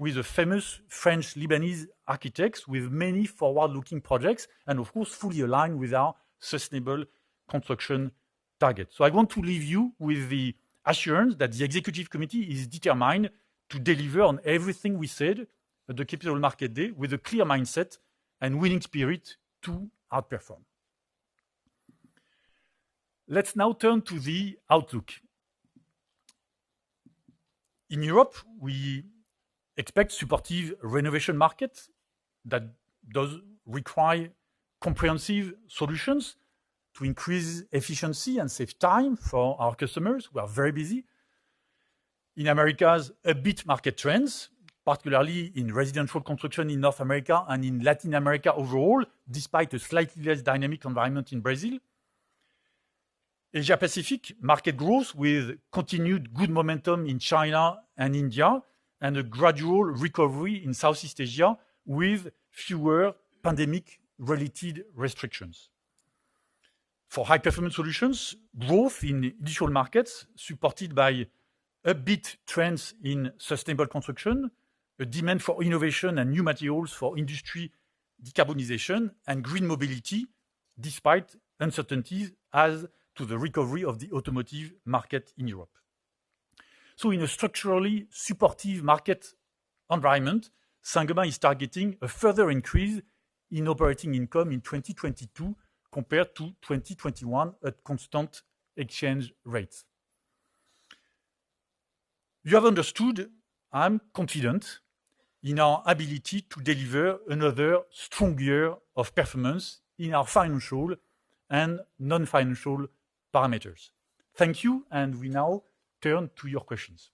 who is a famous French-Lebanese architect with many forward-looking projects and of course, fully aligned with our sustainable construction targets. I want to leave you with the assurance that the executive committee is determined to deliver on everything we said at the Capital Markets Day with a clear mindset and winning spirit to outperform. Let's now turn to the outlook. In Europe, we expect supportive renovation markets that does require comprehensive solutions to increase efficiency and save time for our customers who are very busy. In the Americas, robust market trends, particularly in residential construction in North America and in Latin America overall, despite a slightly less dynamic environment in Brazil. In Asia Pacific, market growth with continued good momentum in China and India, and a gradual recovery in Southeast Asia with fewer pandemic-related restrictions. For high-performance solutions, growth in initial markets, supported by key trends in sustainable construction, a demand for innovation and new materials for industry decarbonization and green mobility, despite uncertainties as to the recovery of the automotive market in Europe. In a structurally supportive market environment, Saint-Gobain is targeting a further increase in operating income in 2022 compared to 2021 at constant exchange rates. You have understood, I'm confident in our ability to deliver another strong year of performance in our financial and non-financial parameters. Thank you, and we now turn to your questions.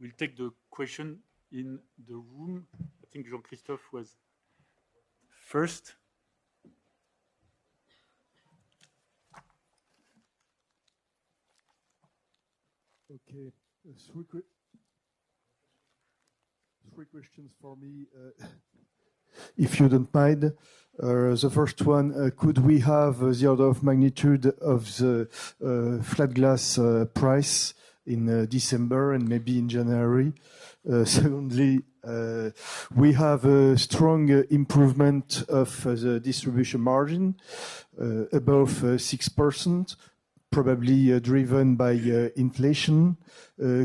We'll take the question in the room. I think Jean-Christophe was first. Okay. 3 questions for me, if you don't mind. The first one, could we have the order of magnitude of the flat glass price in December and maybe in January? Secondly, we have a strong improvement of the distribution margin above 6%, probably driven by inflation.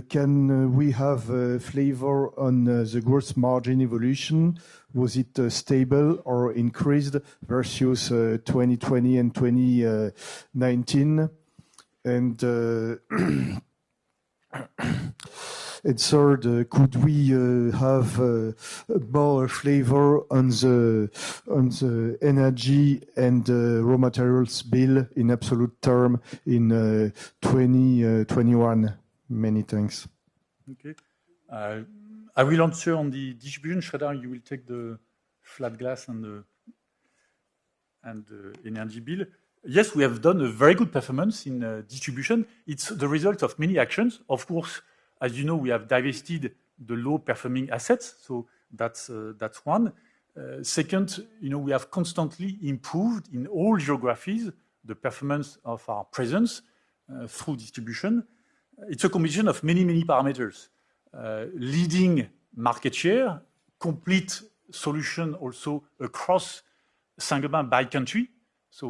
Can we have a flavor on the gross margin evolution? Was it stable or increased versus 2020 and 2019? And third, could we have more flavor on the energy and raw materials bill in absolute terms in 2021? Many thanks. Okay. I will answer on the distribution. Sreedhar, you will take the flat glass and the energy bill. Yes, we have done a very good performance in distribution. It's the result of many actions. Of course, as you know, we have divested the low-performing assets. That's one. Second, you know, we have constantly improved in all geographies the performance of our presence through distribution. It's a combination of many, many parameters. Leading market share, complete solution also across Saint-Gobain by country.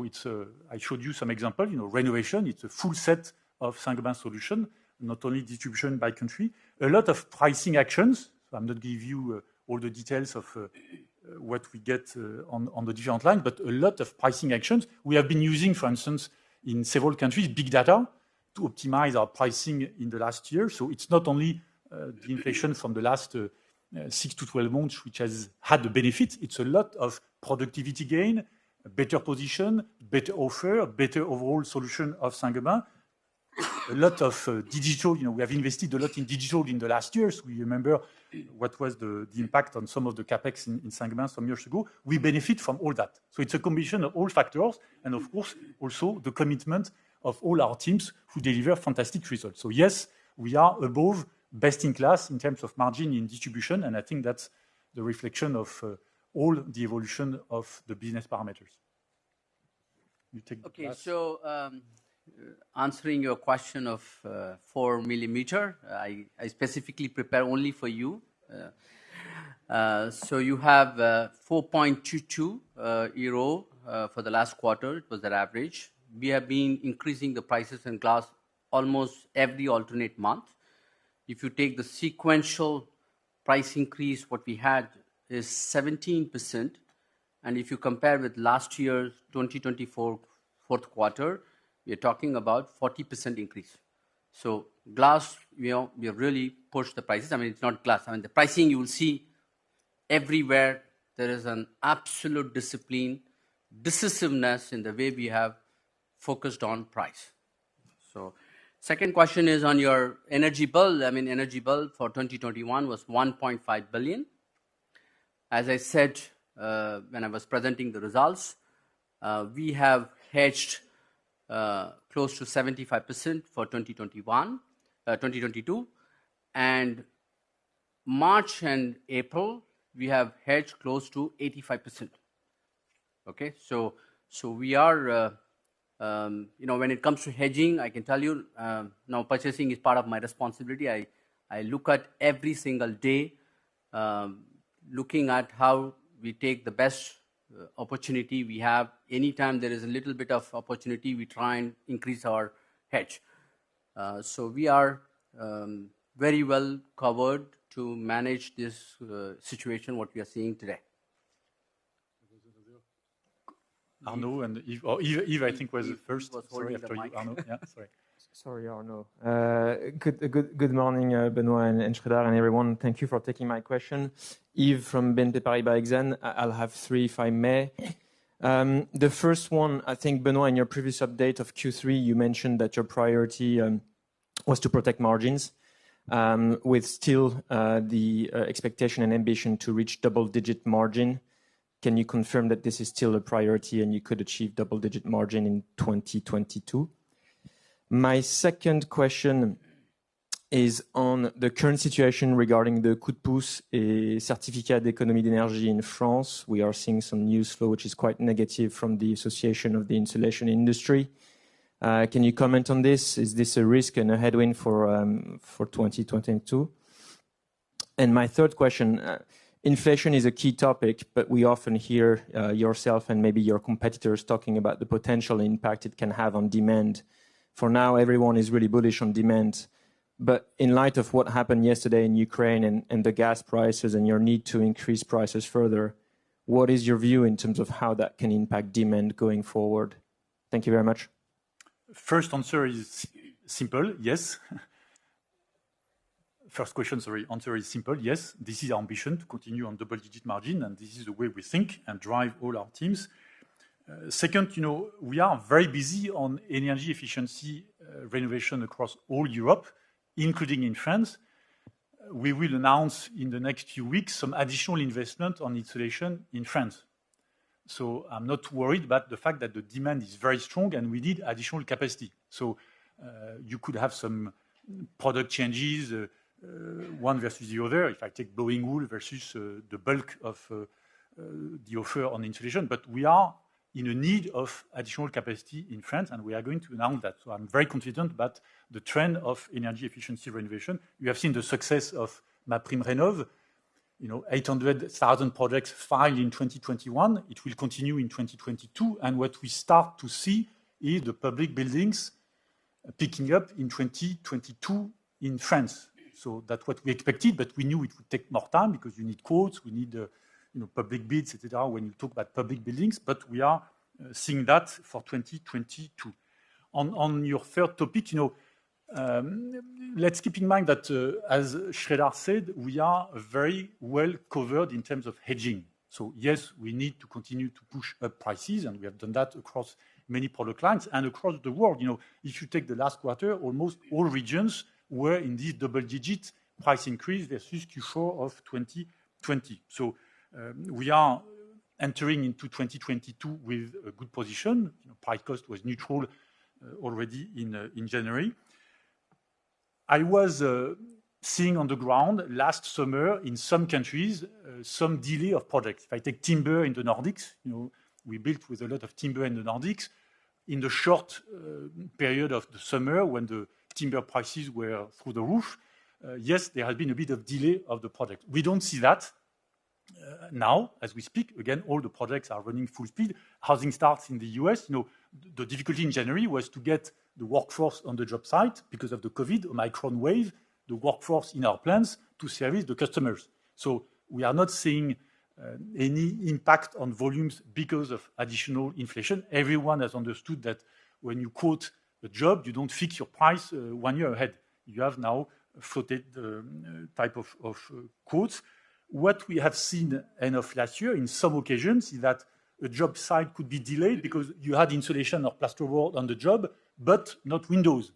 It's. I showed you some example, you know, renovation. It's a full set of Saint-Gobain solution, not only distribution by country. A lot of pricing actions. I'll not give you all the details of what we get on the different line, but a lot of pricing actions. We have been using, for instance, in several countries, big data to optimize our pricing in the last year. It's not only the inflation from the last 6-12 months which has had the benefit. It's a lot of productivity gain, better position, better offer, better overall solution of Saint-Gobain. A lot of digital. You know, we have invested a lot in digital in the last years. We remember what was the impact on some of the CapEx in Saint-Gobain some years ago. We benefit from all that. It's a combination of all factors and of course, also the commitment of all our teams who deliver fantastic results. Yes, we are above best in class in terms of margin in distribution, and I think that's the reflection of all the evolution of the business parameters. You take glass. Okay. Answering your question of 4 millimeter, I specifically prepare only for you. You have 4.22 euro for the last quarter. It was an average. We have been increasing the prices in glass almost every alternate month. If you take the sequential price increase, what we had is 17%. If you compare with last year's 2024 Q4, we're talking about 40% increase. Glass, we have really pushed the prices. I mean, it's not glass. I mean, the pricing you will see everywhere, there is an absolute discipline, decisiveness in the way we have focused on price. Second question is on your energy bill. I mean, energy bill for 2021 was 1.5 billion. As I said, when I was presenting the results, we have hedged close to 75% for 2021, 2022. March and April, we have hedged close to 85%. Okay. You know, when it comes to hedging, I can tell you, now purchasing is part of my responsibility. I look at every single day, looking at how we take the best opportunity we have. Anytime there is a little bit of opportunity, we try and increase our hedge. We are very well covered to manage this situation, what we are seeing today. Arnaud and Yves. Oh, Yves I think was first. Sorry. After you, Arnaud. Yeah, sorry. Sorry, Arnaud. Good morning, Benoit and Sreedhar and everyone. Thank you for taking my question. Yves from BNP Paribas Exane. I'll have three, if I may. The first one, I think Benoit, in your previous update of Q3, you mentioned that your priority was to protect margins with still the expectation and ambition to reach double-digit margin. Can you confirm that this is still a priority and you could achieve double-digit margin in 2022? My second question is on the current situation regarding the Coup de pouce Certificats d'énergie in France. We are seeing some news flow which is quite negative from the association of the insulation industry. Can you comment on this? Is this a risk and a headwind for 2022? My third question, inflation is a key topic, but we often hear yourself and maybe your competitors talking about the potential impact it can have on demand. For now, everyone is really bullish on demand. In light of what happened yesterday in Ukraine and the gas prices and your need to increase prices further, what is your view in terms of how that can impact demand going forward? Thank you very much. First answer is simple, yes. This is our ambition to continue on double-digit margin, and this is the way we think and drive all our teams. Second, you know, we are very busy on energy efficiency, renovation across all Europe, including in France. We will announce in the next few weeks some additional investment on insulation in France. I'm not worried about the fact that the demand is very strong, and we need additional capacity. You could have some product changes, one versus the other if I take blowing wool versus the bulk of the offer on insulation. We are in a need of additional capacity in France, and we are going to announce that. I'm very confident that the trend of energy efficiency renovation, we have seen the success of MaPrimeRénov', you know, 800,000 projects filed in 2021. It will continue in 2022, and what we start to see is the public buildings picking up in 2022 in France. That's what we expected, but we knew it would take more time because you need quotes. We need, you know, public bids, et cetera, when you talk about public buildings, but we are seeing that for 2022. On your third topic, you know, let's keep in mind that, as Sreedhar said, we are very well covered in terms of hedging. Yes, we need to continue to push up prices, and we have done that across many product lines and across the world. You know, if you take the last quarter, almost all regions were in this double-digit price increase versus Q4 of 2020. We are entering into 2022 with a good position. You know, price cost was neutral already in January. I was seeing on the ground last summer in some countries some delay of projects. If I take timber in the Nordics, you know, we built with a lot of timber in the Nordics. In the short period of the summer when the timber prices were through the roof, yes, there had been a bit of delay of the project. We don't see that now as we speak. Again, all the projects are running full speed. Housing starts in the U.S., you know, the difficulty in January was to get the workforce on the job site because of the COVID Omicron wave, the workforce in our plants to service the customers. We are not seeing any impact on volumes because of additional inflation. Everyone has understood that when you quote a job, you don't fix your price one year ahead. You have now floating type of quotes. What we have seen end of last year in some occasions is that a job site could be delayed because you had insulation or plasterboard on the job, but not windows.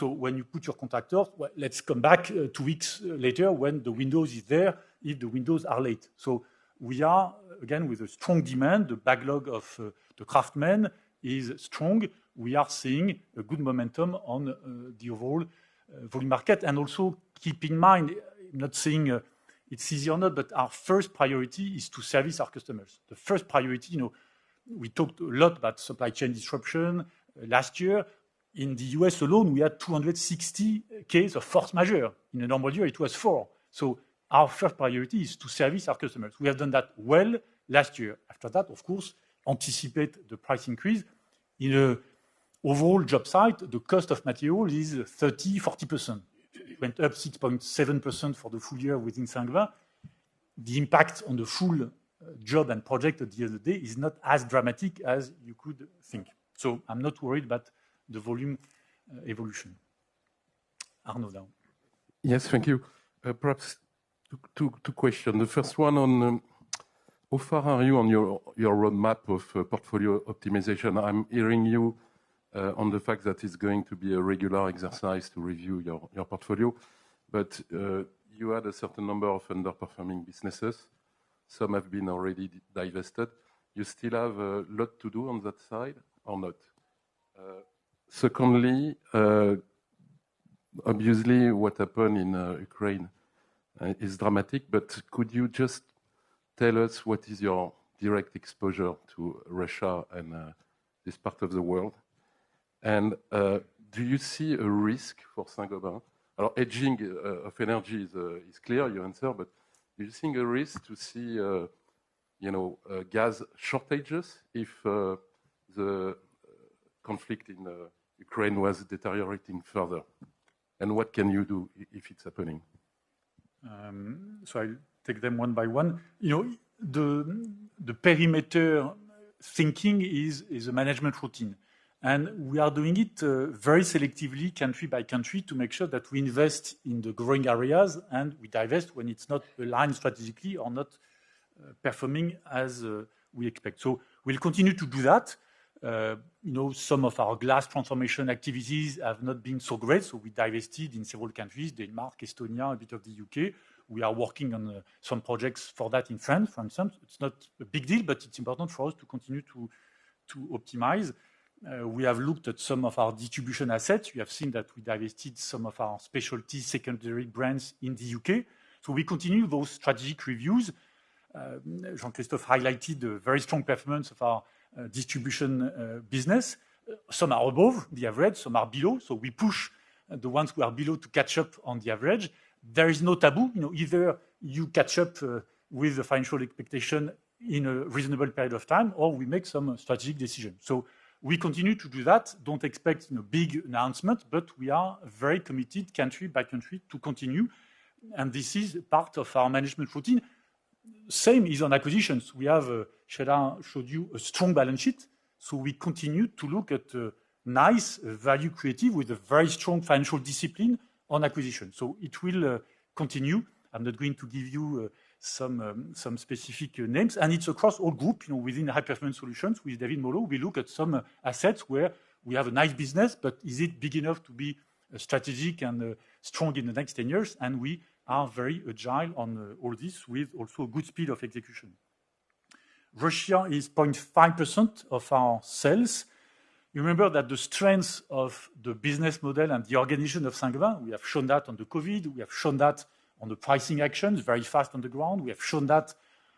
When you put your contractor off, well, let's come back two weeks later when the windows is there, if the windows are late. We are again with a strong demand. The backlog of the craftsmen is strong. We are seeing a good momentum on the overall volume market. Also keep in mind, I'm not saying it's easy or not, but our first priority is to service our customers. The first priority, you know, we talked a lot about supply chain disruption last year. In the U.S. alone, we had 260 cases of force majeure. In a normal year, it was four. Our first priority is to service our customers. We have done that well last year. After that, of course, anticipate the price increase. In an overall job site, the cost of material is 30, 40%. It went up 6.7% for the full year within Saint-Gobain. The impact on the full job and project at the end of the day is not as dramatic as you could think. I'm not worried about the volume evolution. Arnaud now. Yes. Thank you. Perhaps two questions. The first one on how far are you on your roadmap of portfolio optimization? I'm hearing you on the fact that it's going to be a regular exercise to review your portfolio. You had a certain number of underperforming businesses. Some have been already divested. You still have a lot to do on that side or not? Secondly, obviously, what happened in Ukraine is dramatic. Could you just tell us what is your direct exposure to Russia and this part of the world? Do you see a risk for Saint-Gobain? Hedging of energy is clear, your answer. Do you think a risk to see you know gas shortages if the conflict in Ukraine was deteriorating further? What can you do if it's happening? I'll take them one by one. You know, the perimeter thinking is a management routine, and we are doing it very selectively country by country to make sure that we invest in the growing areas and we divest when it's not aligned strategically or not performing as we expect. We'll continue to do that. You know, some of our glass transformation activities have not been so great, so we divested in several countries, Denmark, Estonia, a bit of the U.K. We are working on some projects for that in France for instance. It's not a big deal, but it's important for us to continue to optimize. We have looked at some of our distribution assets. We have seen that we divested some of our specialty secondary brands in the U.K. We continue those strategic reviews. Jean-Christophe highlighted the very strong performance of our distribution business. Some are above the average, some are below. We push the ones who are below to catch up on the average. There is no taboo. You know, either you catch up with the financial expectation in a reasonable period of time, or we make some strategic decisions. We continue to do that. Don't expect no big announcement, but we are very committed country by country to continue, and this is part of our management routine. Same is on acquisitions. We have, as Sreedhar showed you a strong balance sheet, so we continue to look at niche value-creating with a very strong financial discipline on acquisition. It will continue. I'm not going to give you some specific names. It's across all group, you know, within the High Performance Solutions with David Molho. We look at some assets where we have a nice business, but is it big enough to be strategic and strong in the next ten years? We are very agile on all this with also good speed of execution. Russia is 0.5% of our sales. You remember that the strengths of the business model and the organization of Saint-Gobain, we have shown that on the COVID, we have shown that on the pricing actions, very fast on the ground. We have shown that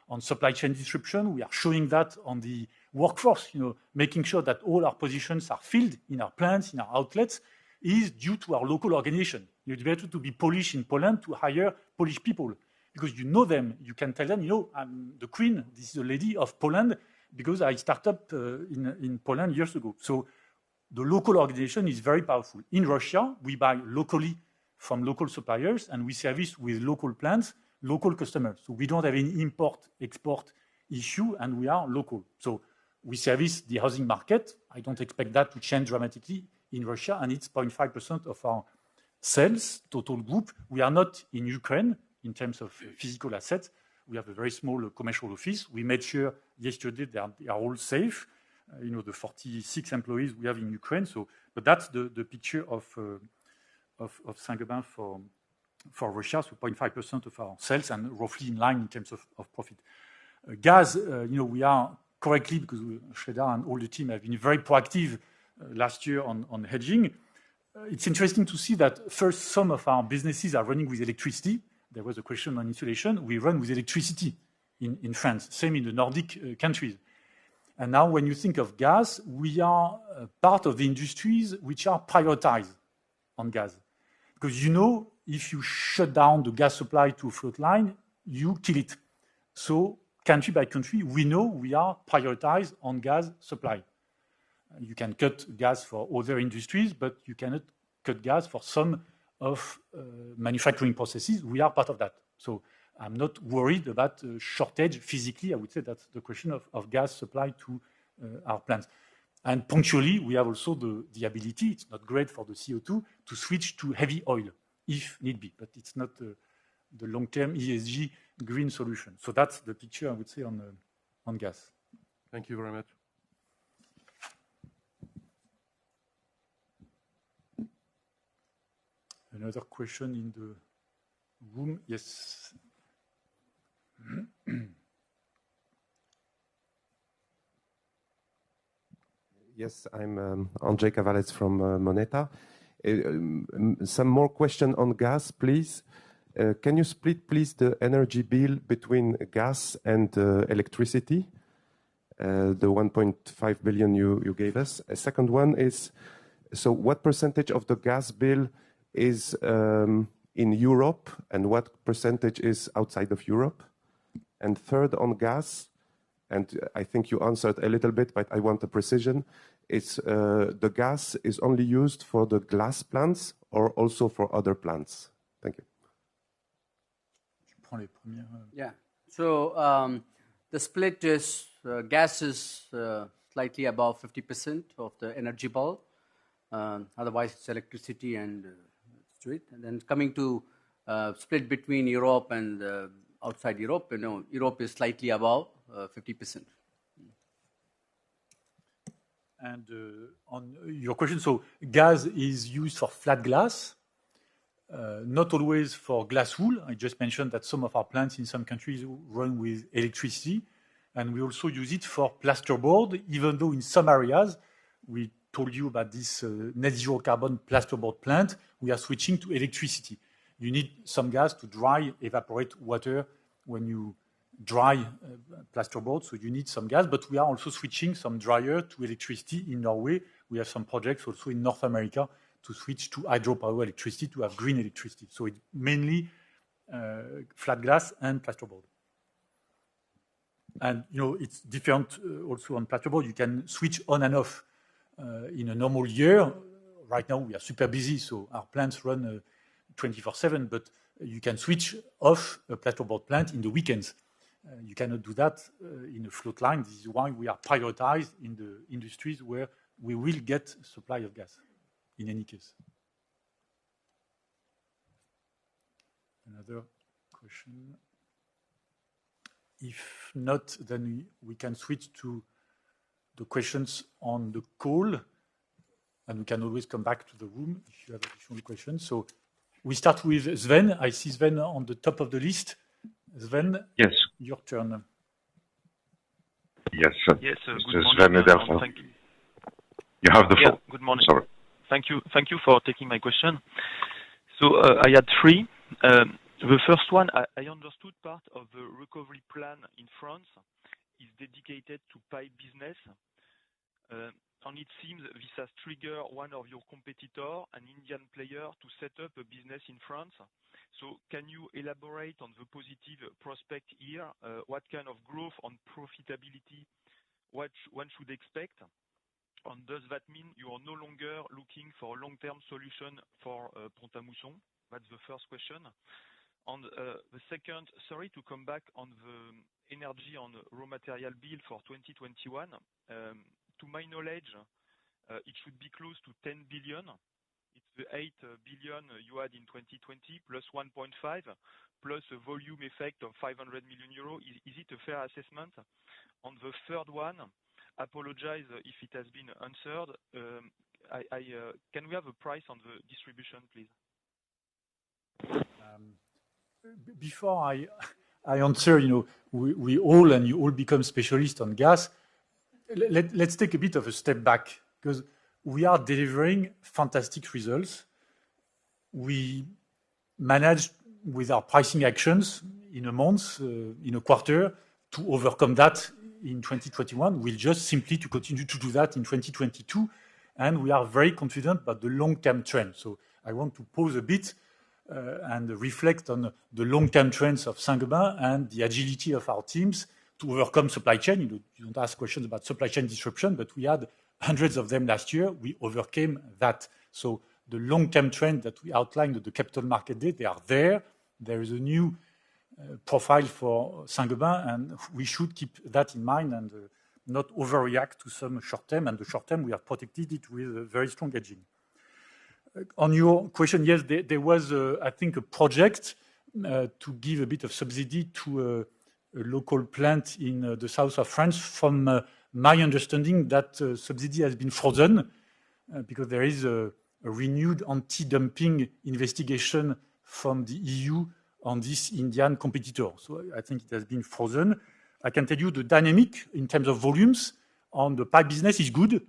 on supply chain disruption. We are showing that on the workforce, you know, making sure that all our positions are filled in our plants, in our outlets, is due to our local organization. It's better to be Polish in Poland to hire Polish people because you know them, you can tell them, you know, "I'm the queen. This is the lady of Poland because I started in Poland years ago." The local organization is very powerful. In Russia, we buy locally from local suppliers, and we service with local plants, local customers. We don't have any import-export issue, and we are local. We service the housing market. I don't expect that to change dramatically in Russia. It's 0.5% of our sales, total group. We are not in Ukraine in terms of physical assets. We have a very small commercial office. We made sure yesterday they are all safe, you know, the 46 employees we have in Ukraine. That's the picture of Saint-Gobain for Russia. 0.5% of our sales and roughly in line in terms of profit. Gas, you know, we are covered because Sreedhar and all the team have been very proactive last year on hedging. It's interesting to see that first, some of our businesses are running with electricity. There was a question on insulation. We run with electricity in France, same in the Nordic countries. Now when you think of gas, we are part of the industries which are prioritized on gas. 'Cause you know, if you shut down the gas supply to float line, you kill it. Country by country, we know we are prioritized on gas supply. You can cut gas for other industries, but you cannot cut gas for some manufacturing processes. We are part of that. I'm not worried about shortage physically. I would say that's the question of gas supply to our plants. Punctually, we have also the ability, it's not great for the CO2, to switch to heavy oil if need be, but it's not the long-term ESG green solution. That's the picture I would say on gas. Thank you very much. Another question in the room? Yes. Yes. I'm Andréa Cavalès from Moneta. Some more question on gas, please. Can you split the energy bill between gas and electricity? The 1.5 billion you gave us. A second one is, what percentage of the gas bill is in Europe, and what percentage is outside of Europe? Third, on gas, I think you answered a little bit, but I want a precision. Is the gas only used for the glass plants or also for other plants. Thank you. The split is gas slightly above 50% of the energy bill. Otherwise, it's electricity and steam. Coming to the split between Europe and outside Europe, you know, Europe is slightly above 50%. On your question, gas is used for flat glass, not always for glass wool. I just mentioned that some of our plants in some countries run with electricity, and we also use it for plaster board. Even though in some areas we told you about this, net zero carbon plaster board plant, we are switching to electricity. You need some gas to dry evaporate water when you dry plaster board, so you need some gas. But we are also switching some dryer to electricity in Norway. We have some projects also in North America to switch to hydropower electricity to have green electricity. It's mainly flat glass and plaster board. You know, it's different also on plaster board. You can switch on and off in a normal year. Right now we are super busy, so our plants run 24/7. You can switch off a plasterboard plant in the weekends. You cannot do that in a float line. This is why we are prioritized in the industries where we will get supply of gas in any case. Another question? If not, we can switch to the questions on the call, and we can always come back to the room if you have additional questions. We start with Sven. I see Sven on the top of the list. Sven- Yes. Your turn. Yes. Mr. Sven Edelfelt Good morning. Thank you. You have the floor. Yeah. Good morning. Sorry. Thank you. Thank you for taking my question. I had three. The first one, I understood part of the recovery plan in France is dedicated to pipe business. And it seems this has triggered one of your competitor, an Indian player, to set up a business in France. Can you elaborate on the positive prospect here? What kind of growth on profitability, what one should expect? And does that mean you are no longer looking for a long-term solution for Pont-à-Mousson? That's the first question. On the second, sorry, to come back on the energy on raw material bill for 2021. To my knowledge, it should be close to 10 billion. It's the 8 billion you had in 2020 plus 1.5 billion, plus a volume effect of 500 million euro. Is it a fair assessment? On the third one, I apologize if it has been answered. Can we have a price on the distribution, please? Before I answer you, we all and you all become specialist on gas. Let's take a bit of a step back because we are delivering fantastic results. We manage with our pricing actions in a quarter to overcome that in 2021. We'll just simply to continue to do that in 2022, and we are very confident about the long-term trend. I want to pause a bit and reflect on the long-term trends of Saint-Gobain and the agility of our teams to overcome supply chain. You don't ask questions about supply chain disruption, but we had hundreds of them last year. We overcame that. The long-term trend that we outlined at the Capital Markets Day, they are there. There is a new profile for Saint-Gobain, and we should keep that in mind and not overreact to some short-term. The short-term, we have protected it with a very strong hedging. On your question, yes, there was, I think, a project to give a bit of subsidy to a local plant in the south of France. From my understanding, that subsidy has been frozen because there is a renewed anti-dumping investigation from the EU on this Indian competitor. I think it has been frozen. I can tell you the dynamic in terms of volumes on the pipe business is good,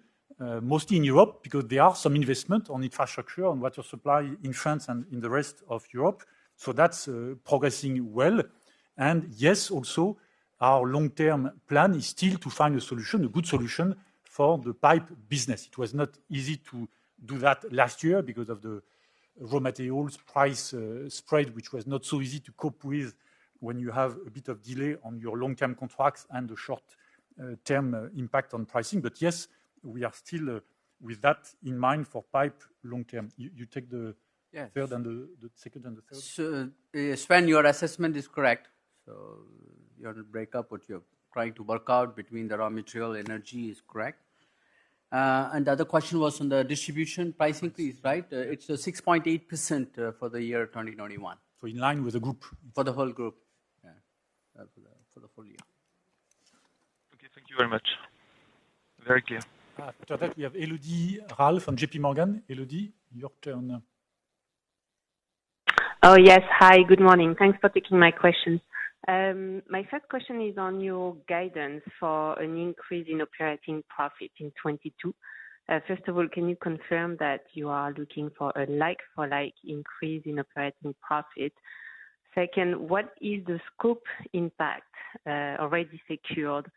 mostly in Europe because there are some investments in infrastructure, in water supply in France and in the rest of Europe. That's progressing well. Yes, also our long-term plan is still to find a solution, a good solution for the pipe business. It was not easy to do that last year because of the raw materials price spread, which was not so easy to cope with when you have a bit of delay on your long-term contracts and the short term impact on pricing. Yes, we are still with that in mind for pipe long term. You take the- Yes. the second and the third. Sven, your assessment is correct. You have to break up what you're trying to work out between the raw material and energy is correct. The other question was on the distribution price increase, right? It's a 6.8% for the year 2021. In line with the group. For the whole group, yeah. For the full year. Okay, thank you very much. Very clear. After that, we have Elodie Rall from JP Morgan. Elodie, your turn. Oh, yes. Hi, good morning. Thanks for taking my questions. My first question is on your guidance for an increase in operating profit in 2022. First of all, can you confirm that you are looking for a like-for-like increase in operating profit? Second, what is the scope impact already secured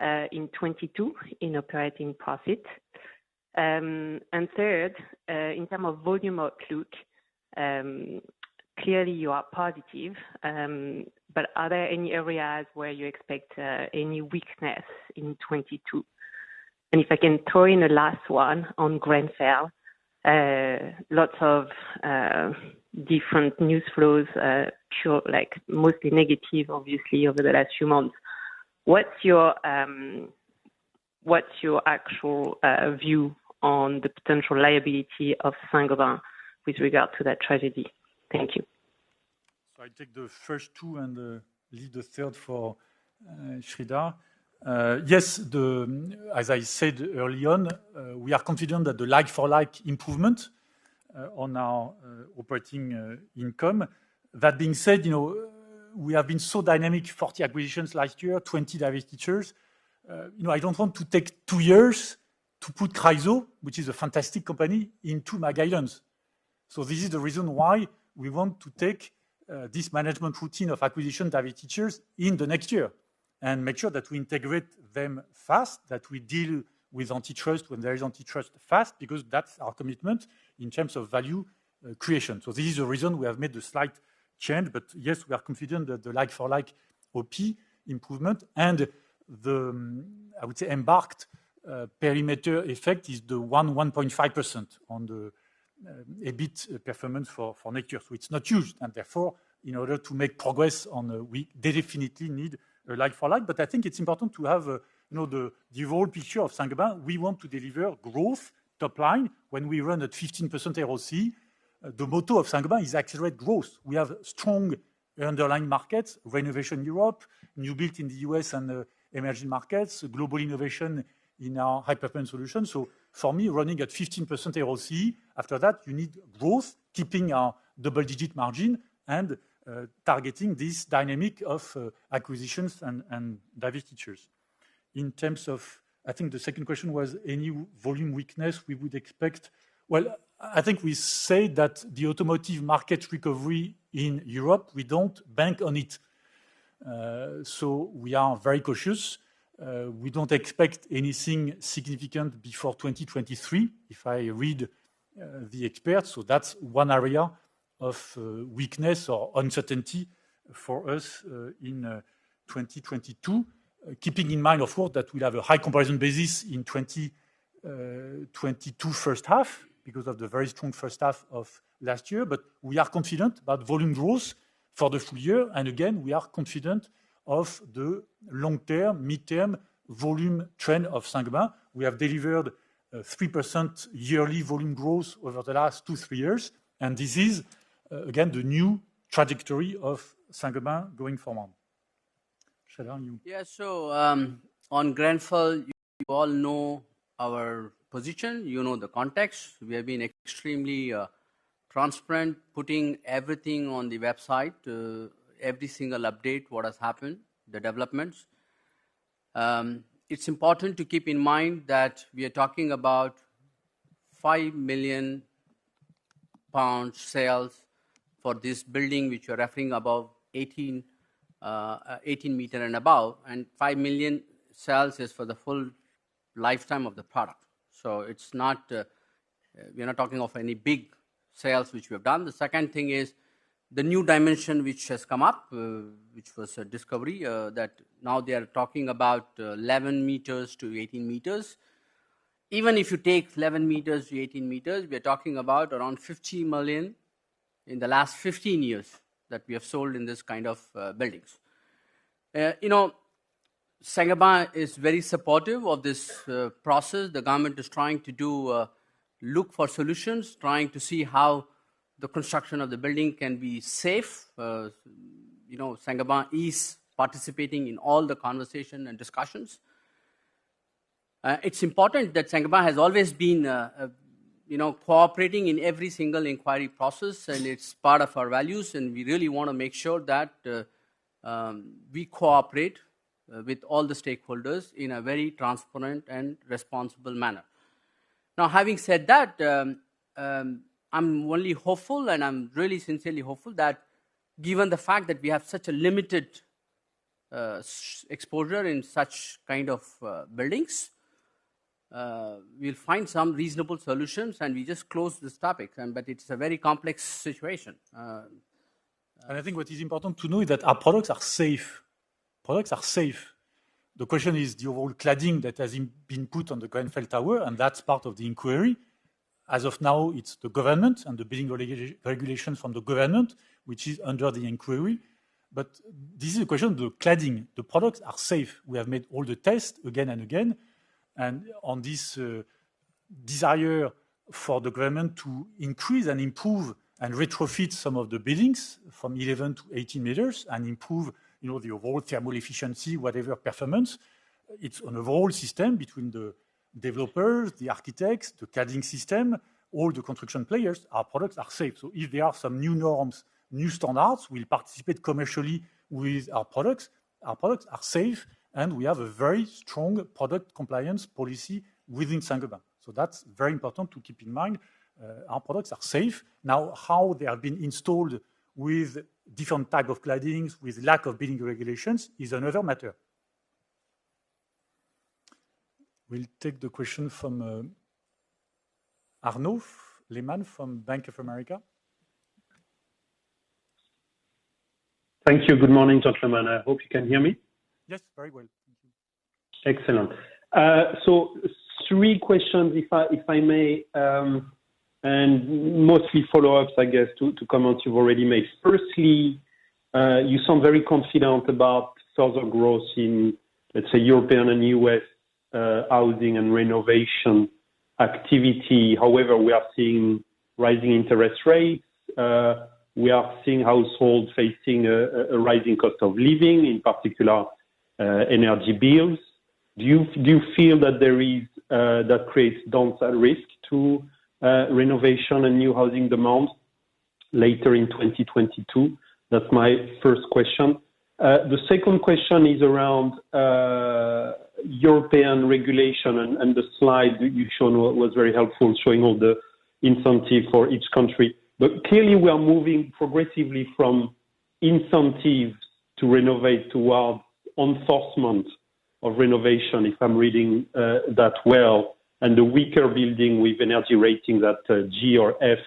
in 2022 in operating profit? And third, in terms of volume outlook, clearly you are positive, but are there any areas where you expect any weakness in 2022? If I can throw in a last one on Grenfell. Lots of different news flows, but like mostly negative obviously over the last few months. What's your actual view on the potential liability of Saint-Gobain with regard to that tragedy? Thank you. I take the first two and leave the third for Sreedhar. As I said early on, we are confident that the like-for-like improvement on our operating income. That being said, you know, we have been so dynamic, 40 acquisitions last year, 20 divestitures. You know, I don't want to take twoyears to put Chryso, which is a fantastic company, into my guidance. This is the reason why we want to take this management routine of acquisition divestitures in the next year and make sure that we integrate them fast, that we deal with antitrust when there is antitrust fast, because that's our commitment in terms of value creation. This is the reason we have made a slight change. Yes, we are confident that the like-for-like OP improvement and the M&A perimeter effect is 1.5% on the EBIT performance for next year. It's not huge. Therefore, in order to make progress on the ROCE, they definitely need a like-for-like. I think it's important to have, you know, the whole picture of Saint-Gobain. We want to deliver growth top-line when we run at 15% ROCE. The motto of Saint-Gobain is accelerate growth. We have strong underlying markets, renovation Europe, new-build in the U.S. and emerging markets, global innovation in our high-performance solutions. For me, running at 15% ROCE, after that you need growth, keeping our double-digit margin and targeting this dynamic of acquisitions and divestitures. In terms of, I think the second question was any volume weakness we would expect. Well, I think we say that the automotive market recovery in Europe, we don't bank on it. So we are very cautious. We don't expect anything significant before 2023, if I read the experts. So that's one area of weakness or uncertainty for us in 2022. Keeping in mind, of course, that we have a high comparison basis in 2022 first half because of the very strong first half of last year. We are confident about volume growth for the full year. Again, we are confident of the long-term, midterm volume trend of Saint-Gobain. We have delivered 3% yearly volume growth over the last two-three years, and this is again the new trajectory of Saint-Gobain going forward. Sreedhar N., you- Yeah. On Grenfell, you all know our position, you know the context. We have been extremely transparent, putting everything on the website, every single update, what has happened, the developments. It's important to keep in mind that we are talking about 5 million pounds sales for this building, which you're referring above 18-meter and above, and 5 million sales is for the full lifetime of the product. It's not, we are not talking of any big sales which we have done. The second thing is the new dimension which has come up, which was a discovery, that now they are talking about 11 meters to 18 meters. Even if you take 11 meters to 18 meters, we are talking about around 50 million in the last 15 years that we have sold in this kind of buildings. You know, Saint-Gobain is very supportive of this process. The government is trying to look for solutions, trying to see how the construction of the building can be safe. You know, Saint-Gobain is participating in all the conversation and discussions. It's important that Saint-Gobain has always been you know, cooperating in every single inquiry process, and it's part of our values, and we really wanna make sure that we cooperate with all the stakeholders in a very transparent and responsible manner. Now, having said that, I'm only hopeful, and I'm really sincerely hopeful that given the fact that we have such a limited exposure in such kind of buildings, we'll find some reasonable solutions, and we just close this topic, but it's a very complex situation. I think what is important to know is that our products are safe. Products are safe. The question is the overall cladding that has been put on the Grenfell Tower, and that's part of the inquiry. As of now, it's the government and the building regulation from the government which is under the inquiry. This is a question of the cladding. The products are safe. We have made all the tests again and again. On this desire for the government to increase and improve and retrofit some of the buildings from 11-18 meters and improve, you know, the overall thermal efficiency, whatever performance, it's an overall system between the developers, the architects, the cladding system, all the construction players. Our products are safe. If there are some new norms, new standards, we'll participate commercially with our products. Our products are safe, and we have a very strong product compliance policy within Saint-Gobain. That's very important to keep in mind. Our products are safe. Now, how they have been installed with different type of claddings, with lack of building regulations is another matter. We'll take the question from Arnaud Lehmann from Bank of America. Thank you. Good morning, gentlemen. I hope you can hear me. Yes, very well. Thank you. Excellent. So three questions if I may, and mostly follow-ups, I guess, to comments you've already made. Firstly, you sound very confident about sales and growth in, let's say, European and U.S. housing and renovation activity. However, we are seeing rising interest rates. We are seeing households facing a rising cost of living, in particular, energy bills. Do you feel that creates downside risk to renovation and new housing demands later in 2022? That's my first question. The second question is around European regulation and the slide that you've shown was very helpful, showing all the incentive for each country. But clearly we are moving progressively from incentives to renovate toward enforcement of renovation, if I'm reading that well. The weaker building with energy ratings at G or F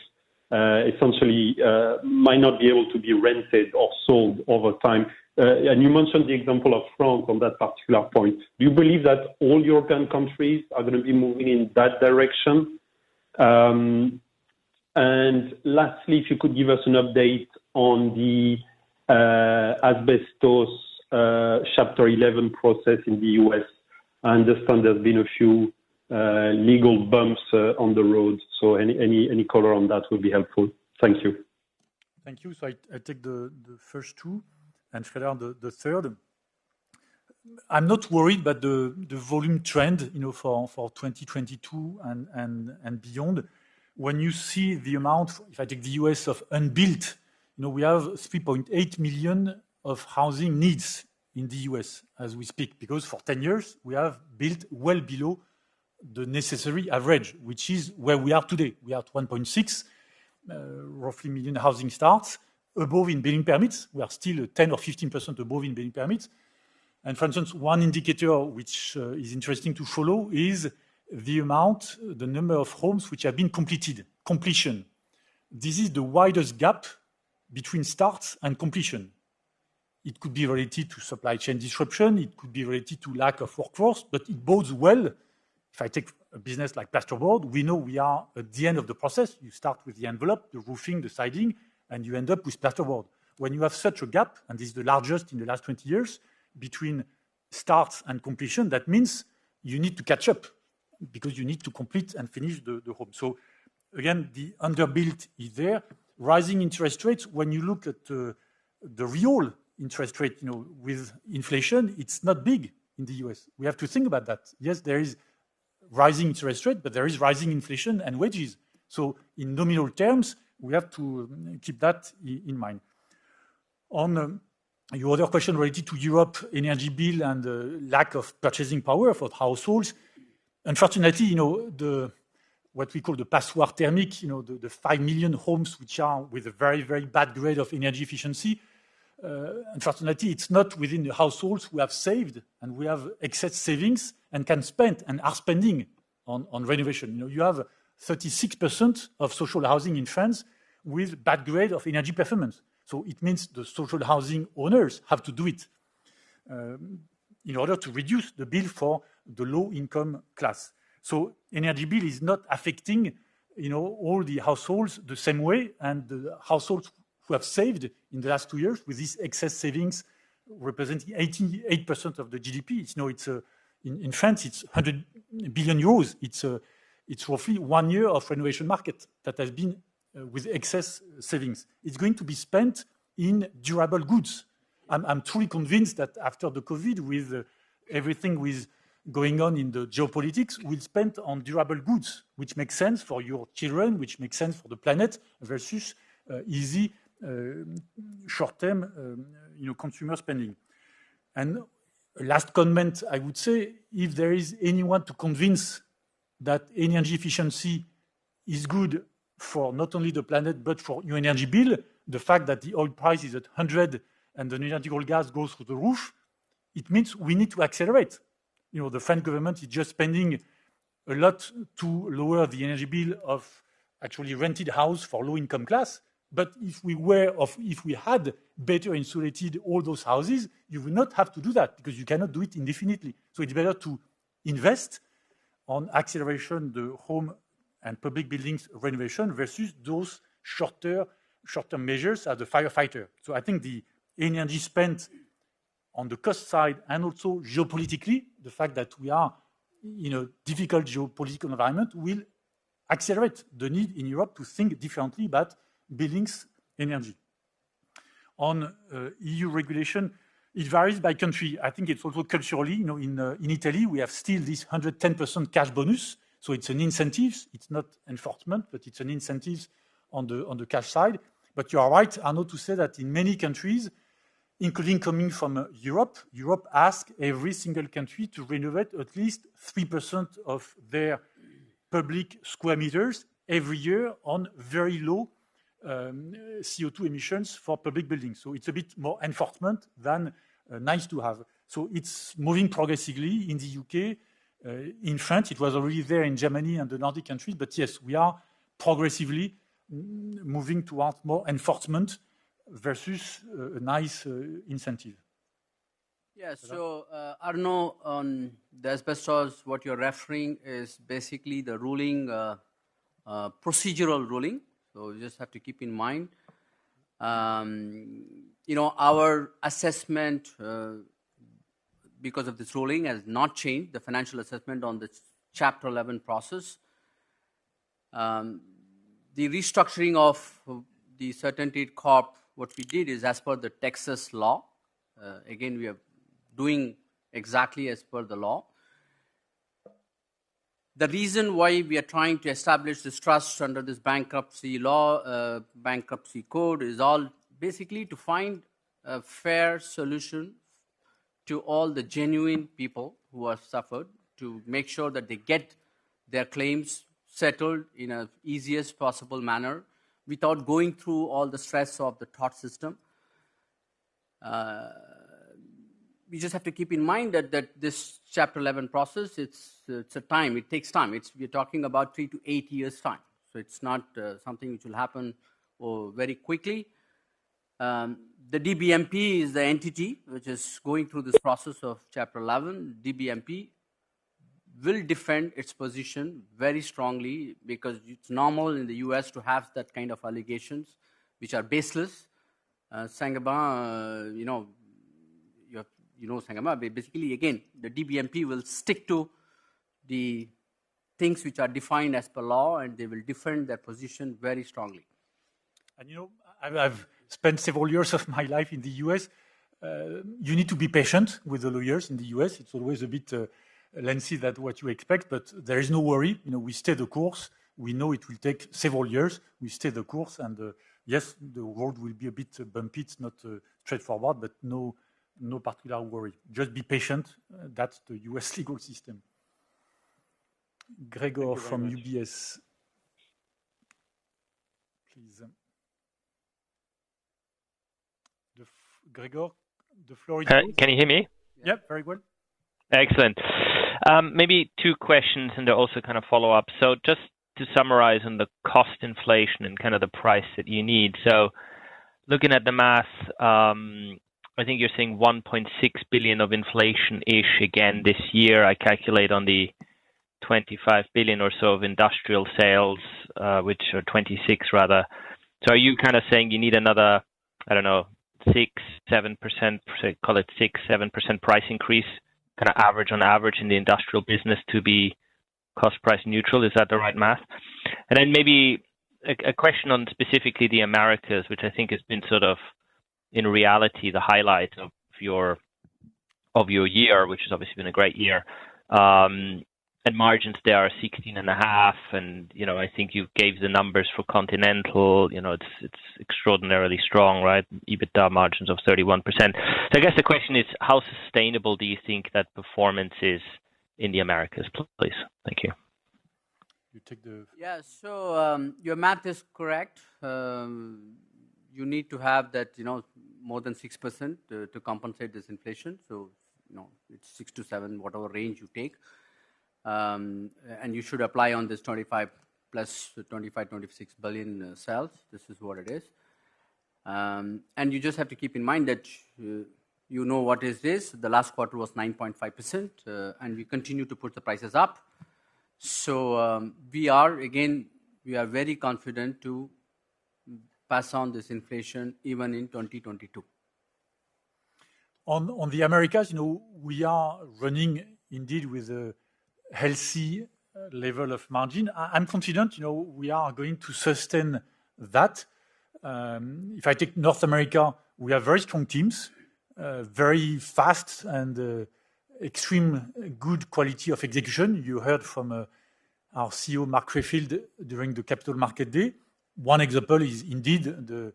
essentially might not be able to be rented or sold over time. You mentioned the example of France on that particular point. Do you believe that all European countries are gonna be moving in that direction? Lastly, if you could give us an update on the asbestos Chapter 11 process in the U.S. I understand there's been a few legal bumps on the road. Any color on that would be helpful. Thank you. Thank you. I take the first two and Sreedhar, the third. I'm not worried about the volume trend, you know, for 2022 and beyond. When you see the amount, if I take the U.S. of unbuilt, you know, we have 3.8 million of housing needs in the U.S. as we speak, because for ten years we have built well below the necessary average, which is where we are today. We are at 1.6, roughly, million housing starts. Above in building permits, we are still at 10% or 15% above in building permits. For instance, one indicator which is interesting to follow is the number of homes which have been completed. Completion. This is the widest gap between starts and completion. It could be related to supply chain disruption, it could be related to lack of workforce, but it bodes well. If I take a business like plasterboard, we know we are at the end of the process. You start with the envelope, the roofing, the siding, and you end up with plasterboard. When you have such a gap, and this is the largest in the last 20 years between starts and completion, that means you need to catch up because you need to complete and finish the home. Again, the underbuilt is there. Rising interest rates, when you look at the real interest rate, you know, with inflation, it's not big in the U.S. We have to think about that. Yes, there is rising interest rate, but there is rising inflation and wages. In nominal terms, we have to keep that in mind. Your other question related to Europe energy bill and the lack of purchasing power for households. Unfortunately, you know, what we call the Passoire thermique, you know, the 5 million homes which are with a very, very bad grade of energy efficiency. Unfortunately, it's not within the households who have saved, and we have excess savings and can spend and are spending on renovation. You know, you have 36% of social housing in France with bad grade of energy performance. It means the social housing owners have to do it in order to reduce the bill for the low-income class. Energy bill is not affecting, you know, all the households the same way and the households who have saved in the last two years with these excess savings representing 88% of the GDP. It's, you know, it's in France, it's 100 billion euros. It's roughly one year of renovation market that has been with excess savings. It's going to be spent in durable goods. I'm truly convinced that after the COVID, with everything going on in the geopolitics, we'll spend on durable goods, which makes sense for your children, which makes sense for the planet versus easy short-term, you know, consumer spending. Last comment, I would say, if there is anyone to convince that energy efficiency is good for not only the planet but for your energy bill, the fact that the oil price is at $100 and the natural gas goes through the roof, it means we need to accelerate. You know, the French government is just spending a lot to lower the energy bill of actually rented house for low-income class. If we had better insulated all those houses, you would not have to do that because you cannot do it indefinitely. It's better to invest in accelerating the home and public buildings renovation versus those short-term measures as a firefighter. I think the energy crisis on the cost side and also geopolitically, the fact that we are in a difficult geopolitical environment will accelerate the need in Europe to think differently about buildings' energy. EU regulation varies by country. I think it's also culturally. You know, in Italy, we have still this 110% cash bonus. It's an incentive. It's not enforcement, but it's an incentive on the cash side. You are right, Arnaud, to say that in many countries, including coming from Europe ask every single country to renovate at least 3% of their public square meters every year on very low CO2 emissions for public buildings. It's a bit more enforcement than nice to have. It's moving progressively in the U.K. In France, it was already there in Germany and the Nordic countries. Yes, we are progressively moving towards more enforcement versus a nice incentive. Yeah. Arnaud, on the asbestos, what you're referring is basically the ruling, procedural ruling. You just have to keep in mind, you know, our assessment, because of this ruling has not changed the financial assessment on this Chapter 11 process. The restructuring of the CertainTeed Corp, what we did is as per the Texas law, again, we are doing exactly as per the law. The reason why we are trying to establish this trust under this bankruptcy law, bankruptcy code is all basically to find a fair solution to all the genuine people who have suffered to make sure that they get their claims settled in a easiest possible manner without going through all the stress of the tort system. We just have to keep in mind that this Chapter 11 process, it's a time. It takes time. We're talking about three-eight years' time. It's not something which will happen very quickly. The DBMP is the entity which is going through this process of Chapter 11. DBMP will defend its position very strongly because it's normal in the U.S. to have that kind of allegations which are baseless. Saint-Gobain, you know, you have, you know Saint-Gobain. Basically, again, the DBMP will stick to the things which are defined as per law, and they will defend their position very strongly. You know, I've spent several years of my life in the U.S. You need to be patient with the lawyers in the U.S. It's always a bit lengthy than what you expect, but there is no worry. You know, we stay the course. We know it will take several years. We stay the course and, yes, the road will be a bit bumpy. It's not straightforward, but no particular worry. Just be patient. That's the U.S. legal system. Gregor from UBS. Gregor, the floor is yours. Can you hear me? Yep, very good. Excellent. Maybe two questions and then also kind of follow-up. Just to summarize on the cost inflation and kind of the price that you need. Just looking at the math, I think you're seeing 1.6 billion of inflation-ish again this year. I calculate on the 25 billion or so of industrial sales, which are 26 billion rather. Are you kind of saying you need another, I don't know, 6%-7%, call it 6%-7% price increase kind of average on average in the industrial business to be cost price neutral? Is that the right math? Then maybe a question on specifically the Americas, which I think has been sort of in reality the highlight of your year, which has obviously been a great year. Margins there are 16.5%, you know, I think you gave the numbers for Continental. You know, it's extraordinarily strong, right? EBITDA margins of 31%. I guess the question is how sustainable do you think that performance is in the Americas, please? Thank you. You take the. Yeah. Your math is correct. You need to have that, you know, more than 6% to compensate this inflation. You know, it's 6%-7%, whatever range you take. You should apply on this 25 billion + 25 billion, 26 billion sales. This is what it is. You just have to keep in mind that you know what is this. The last quarter was 9.5%, and we continue to put the prices up. We are, again, very confident to pass on this inflation even in 2022. On the Americas, you know, we are running indeed with a healthy level of margin. I'm confident, you know, we are going to sustain that. If I take North America, we have very strong teams, very fast and extremely good quality of execution. You heard from our CEO, Mark Rayfield, during the Capital Markets Day. One example is indeed the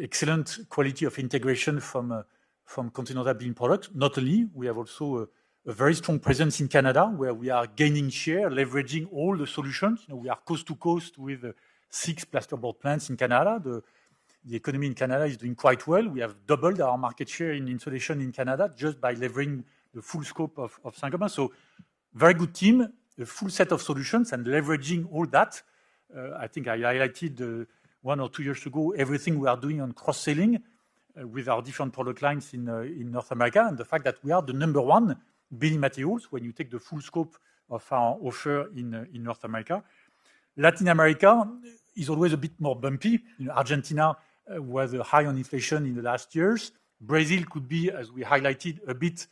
excellent quality of integration from Continental Building Products. Not only, we have also a very strong presence in Canada, where we are gaining share, leveraging all the solutions. You know, we are coast to coast with six plasterboard plants in Canada. The economy in Canada is doing quite well. We have doubled our market share in insulation in Canada just by leveraging the full scope of Saint-Gobain. Very good team, a full set of solutions and leveraging all that. I think I highlighted one or two years ago everything we are doing on cross-selling with our different product lines in North America and the fact that we are the number one building materials when you take the full scope of our offer in North America. Latin America is always a bit more bumpy. You know, Argentina had high inflation in the last years. Brazil could be, as we highlighted, a bit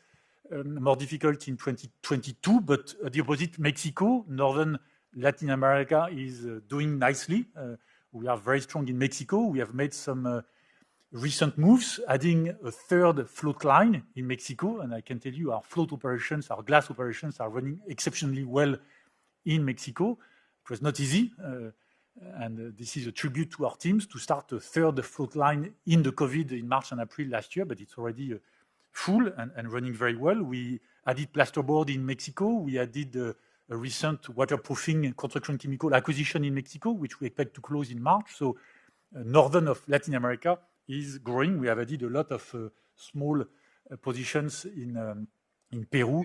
more difficult in 2022. But the opposite, Mexico, Northern Latin America is doing nicely. We are very strong in Mexico. We have made some recent moves adding a third float line in Mexico. I can tell you our float operations, our glass operations are running exceptionally well in Mexico. It was not easy, and this is a tribute to our teams to start a third float line in the COVID in March and April last year, but it's already full and running very well. We added plasterboard in Mexico. We added a recent waterproofing and construction chemical acquisition in Mexico, which we expect to close in March. So northern of Latin America is growing. We have added a lot of small positions in Peru,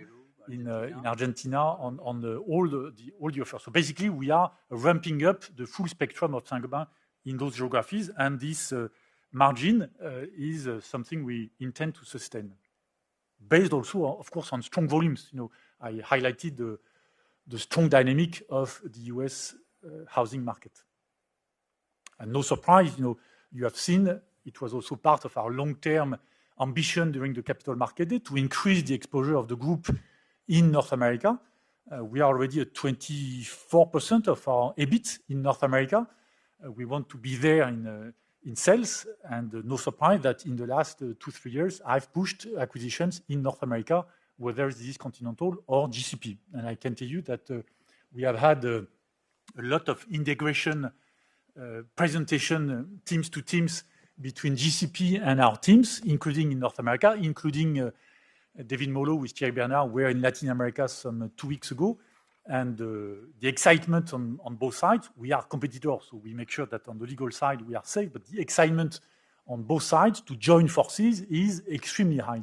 in Argentina on all the offers. So basically, we are ramping up the full spectrum of Saint-Gobain in those geographies, and this margin is something we intend to sustain. Based also of course, on strong volumes. You know, I highlighted the strong dynamic of the U.S. housing market. No surprise, you know, you have seen it was also part of our long-term ambition during the Capital Markets Day to increase the exposure of the group in North America. We are already at 24% of our EBIT in North America. We want to be there in sales. No surprise that in the last two-three years, I've pushed acquisitions in North America, whether it is Continental or GCP. I can tell you that we have had a lot of integration presentation teams to teams between GCP and our teams, including in North America, including David Molho with Thierry Bernard, were in Latin America some two weeks ago. The excitement on both sides, we are competitors, so we make sure that on the legal side we are safe. The excitement on both sides to join forces is extremely high.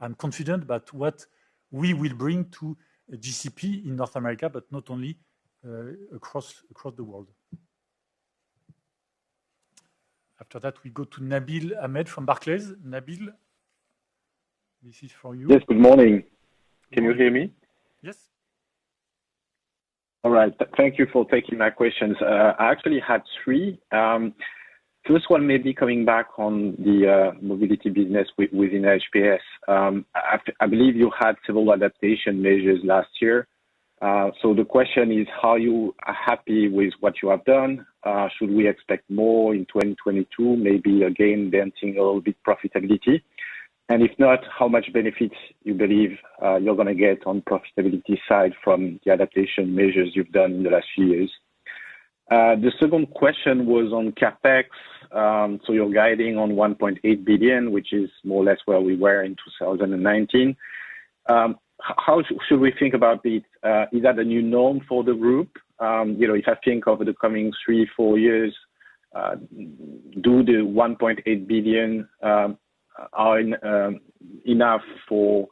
I'm confident about what we will bring to GCP in North America, but not only, across the world. After that, we go to Nabil Ahmed from Barclays. Nabil, this is for you. Yes, good morning. Can you hear me? Yes. All right. Thank you for taking my questions. I actually had three. First one maybe coming back on the mobility business within HPS. I believe you had several adaptation measures last year. So the question is, how happy you are with what you have done? Should we expect more in 2022, maybe again denting a little bit profitability? And if not, how much benefits you believe you're gonna get on profitability side from the adaptation measures you've done in the last few years? The second question was on CapEx. So you're guiding on 1.8 billion, which is more or less where we were in 2019. How should we think about that? Is that a new norm for the group? You know, if I think over the coming three or four years, is the 1.8 billion enough for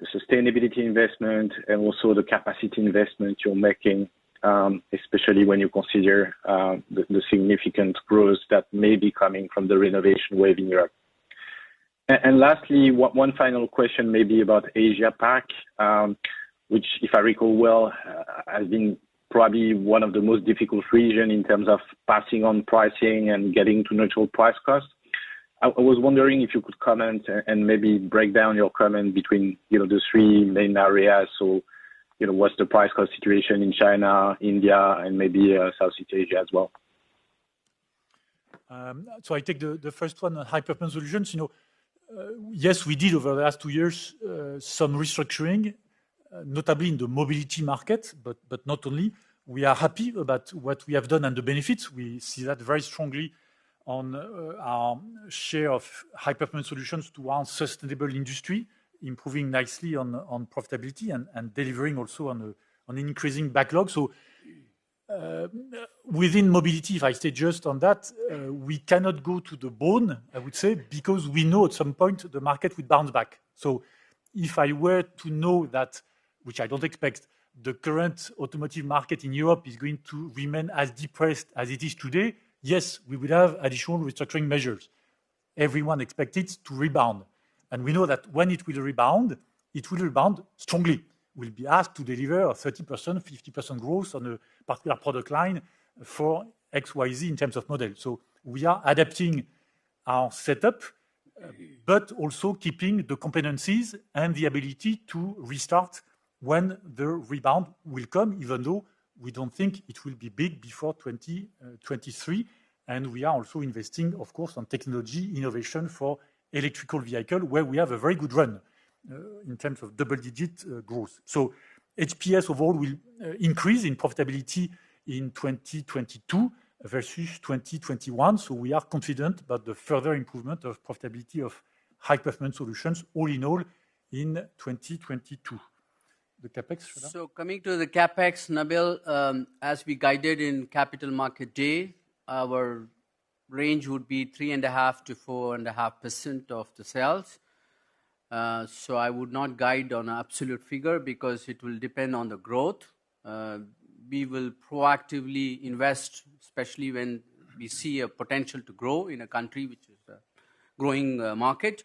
the sustainability investment and also the capacity investment you are making, especially when you consider the significant growth that may be coming from the renovation wave in Europe. Lastly, one final question maybe about Asia Pac, which, if I recall well, has been probably one of the most difficult regions in terms of passing on pricing and getting to neutral price-cost. I was wondering if you could comment and maybe break down your comment between, you know, the three main areas. You know, what is the price-cost situation in China, India, and maybe Southeast Asia as well. I take the first one on High-Performance Solutions. You know, yes, we did over the last two years some restructuring, notably in the mobility market, but not only. We are happy about what we have done and the benefits. We see that very strongly on our share of High-Performance Solutions towards sustainable industry, improving nicely on profitability and delivering also on increasing backlog. Within mobility, if I stay just on that, we cannot go to the bone, I would say, because we know at some point the market will bounce back. If I were to know that, which I don't expect, the current automotive market in Europe is going to remain as depressed as it is today, yes, we will have additional restructuring measures. Everyone expects it to rebound, and we know that when it will rebound, it will rebound strongly. We'll be asked to deliver a 30%, 50% growth on a particular product line for XYZ in terms of model. We are adapting our setup, but also keeping the competencies and the ability to restart when the rebound will come, even though we don't think it will be big before 2023. We are also investing, of course, on technology innovation for electric vehicle, where we have a very good run in terms of double-digit growth. HPS overall will increase in profitability in 2022 versus 2021. We are confident about the further improvement of profitability of High-Performance Solutions all in all in 2022. The CapEx, Sreedhar. Coming to the CapEx, Nabil, as we guided in Capital Markets Day, our range would be 3.5%-4.5% of the sales. I would not guide on absolute figure because it will depend on the growth. We will proactively invest, especially when we see a potential to grow in a country which is a growing market.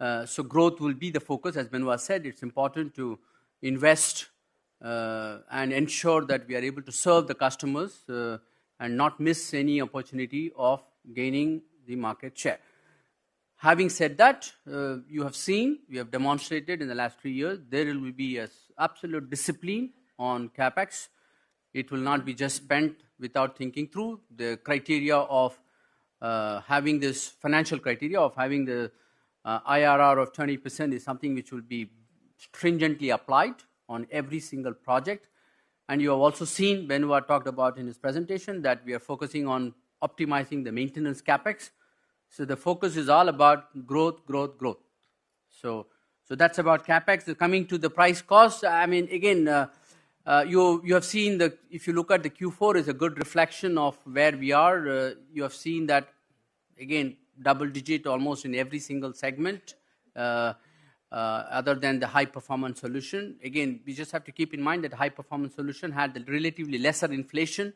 Growth will be the focus. As Benoit said, it's important to invest and ensure that we are able to serve the customers and not miss any opportunity of gaining the market share. Having said that, you have seen, we have demonstrated in the last three years there will be absolute discipline on CapEx. It will not be just spent without thinking through. The criteria of having this financial criteria, of having the IRR of 20% is something which will be stringently applied on every single project. You have also seen, Benoit talked about in his presentation, that we are focusing on optimizing the maintenance CapEx. The focus is all about growth. That's about CapEx. Coming to the price-cost, I mean, again, you have seen. If you look at the Q4 is a good reflection of where we are. You have seen that again, double-digit almost in every single segment, other than the High-Performance Solutions. Again, we just have to keep in mind that High-Performance Solutions had the relatively lesser inflation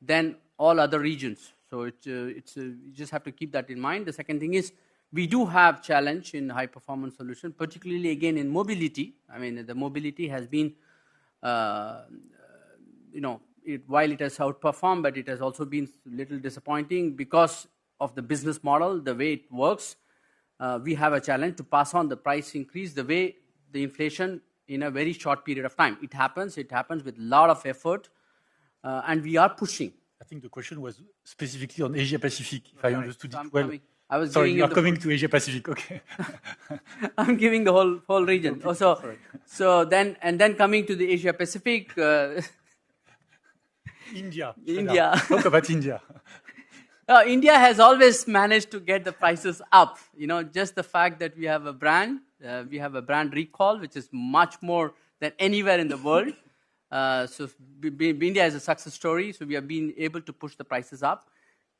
than all other regions. You just have to keep that in mind. The second thing is we do have challenge in High Performance Solutions, particularly again in mobility. I mean, the mobility has been, you know, while it has outperformed, but it has also been little disappointing because of the business model, the way it works, we have a challenge to pass on the price increase the way the inflation in a very short period of time. It happens with lot of effort, and we are pushing. I think the question was specifically on Asia Pacific, if I understood it well. I'm coming. I was giving. Sorry, you are coming to Asia Pacific. Okay. I'm giving the whole region. That's all right. Coming to the Asia Pacific. India. India. Talk about India. India has always managed to get the prices up. You know, just the fact that we have a brand, we have a brand recall, which is much more than anywhere in the world. India is a success story, so we have been able to push the prices up.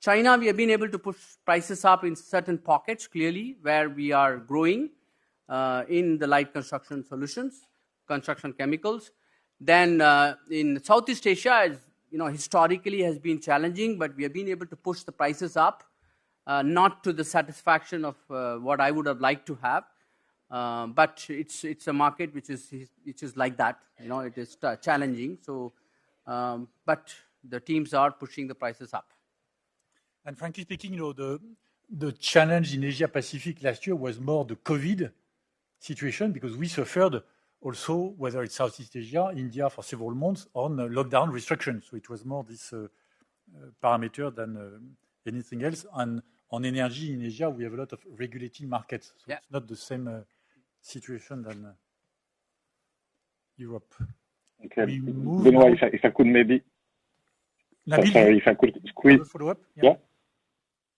China, we have been able to push prices up in certain pockets, clearly, where we are growing, in the light construction solutions, construction chemicals. Southeast Asia, you know, historically has been challenging, but we have been able to push the prices up, not to the satisfaction of what I would have liked to have. But it's a market which is like that. You know, it is challenging. But the teams are pushing the prices up. Frankly speaking, you know, the challenge in Asia Pacific last year was more the COVID situation because we suffered also, whether it's Southeast Asia, India, for several months on lockdown restrictions, which was more this parameter than anything else. On energy in Asia, we have a lot of regulated markets. Yeah. It's not the same situation as Europe. Okay. Benoit, if I could squeeze- Follow-up? Yeah.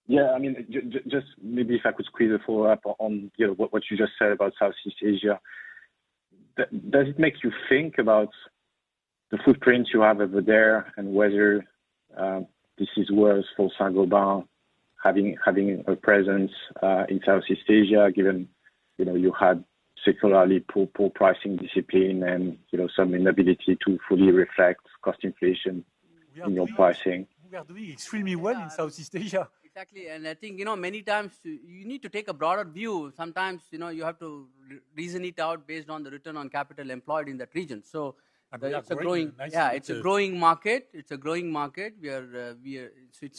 Yeah, I mean, just maybe if I could squeeze a follow-up on, you know, what you just said about Southeast Asia. Does it make you think about the footprints you have over there and whether this is worse for Saint-Gobain having a presence in Southeast Asia, given, you know, you had secularly poor pricing discipline and, you know, some inability to fully reflect cost inflation in your pricing? We are doing extremely well in Southeast Asia. Exactly. I think, you know, many times you need to take a broader view. Sometimes, you know, you have to reason it out based on the return on capital employed in that region. It's a growing- I think that's a great message to. Yeah, it's a growing market. It's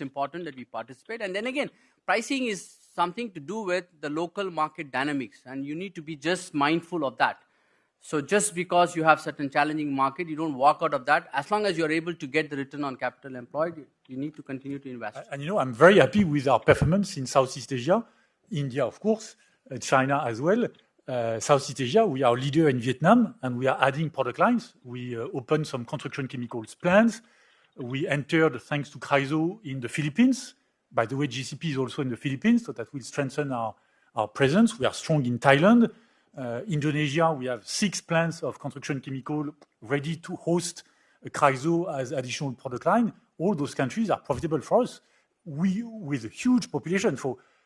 important that we participate. Again, pricing is something to do with the local market dynamics, and you need to be just mindful of that. Just because you have certain challenging market, you don't walk out of that. As long as you're able to get the return on capital employed, you need to continue to invest. You know, I'm very happy with our performance in Southeast Asia, India, of course, and China as well. Southeast Asia, we are leader in Vietnam, and we are adding product lines. We opened some construction chemicals plants. We entered, thanks to Chryso, in the Philippines. By the way, GCP is also in the Philippines, so that will strengthen our presence. We are strong in Thailand. Indonesia, we have 6 plants of construction chemical ready to host Chryso as additional product line. All those countries are profitable for us with a huge population.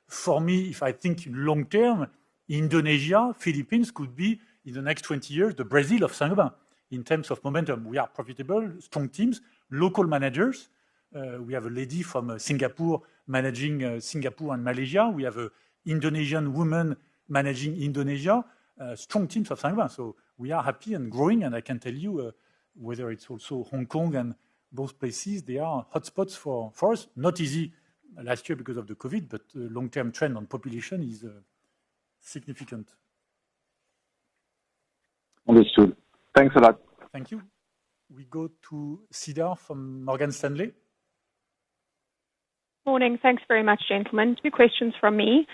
For me, if I think long term, Indonesia, Philippines could be, in the next 20 years, the Brazil of Saint-Gobain in terms of momentum. We are profitable, strong teams, local managers. We have a lady from Singapore managing Singapore and Malaysia. We have a Indonesian woman managing Indonesia. Strong teams of Saint-Gobain. We are happy and growing, and I can tell you, whether it's also Hong Kong and both places, they are hotspots for us. Not easy last year because of the COVID, but the long-term trend on population is significant. Understood. Thanks a lot. Thank you. We go to Cedar Ekblom from Morgan Stanley. Morning. Thanks very much, gentlemen. Two questions from me.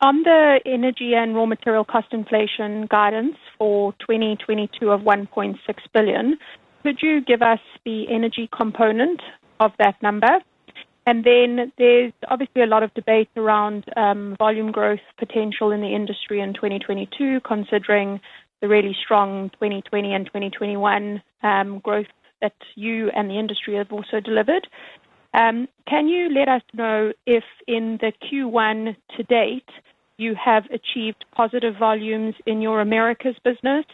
On the energy and raw material cost inflation guidance for 2022 of 1.6 billion, could you give us the energy component of that number? There's obviously a lot of debate around volume growth potential in the industry in 2022, considering the really strong 2020 and 2021 growth that you and the industry have also delivered. Can you let us know if in the Q1 to date you have achieved positive volumes in your Americas business,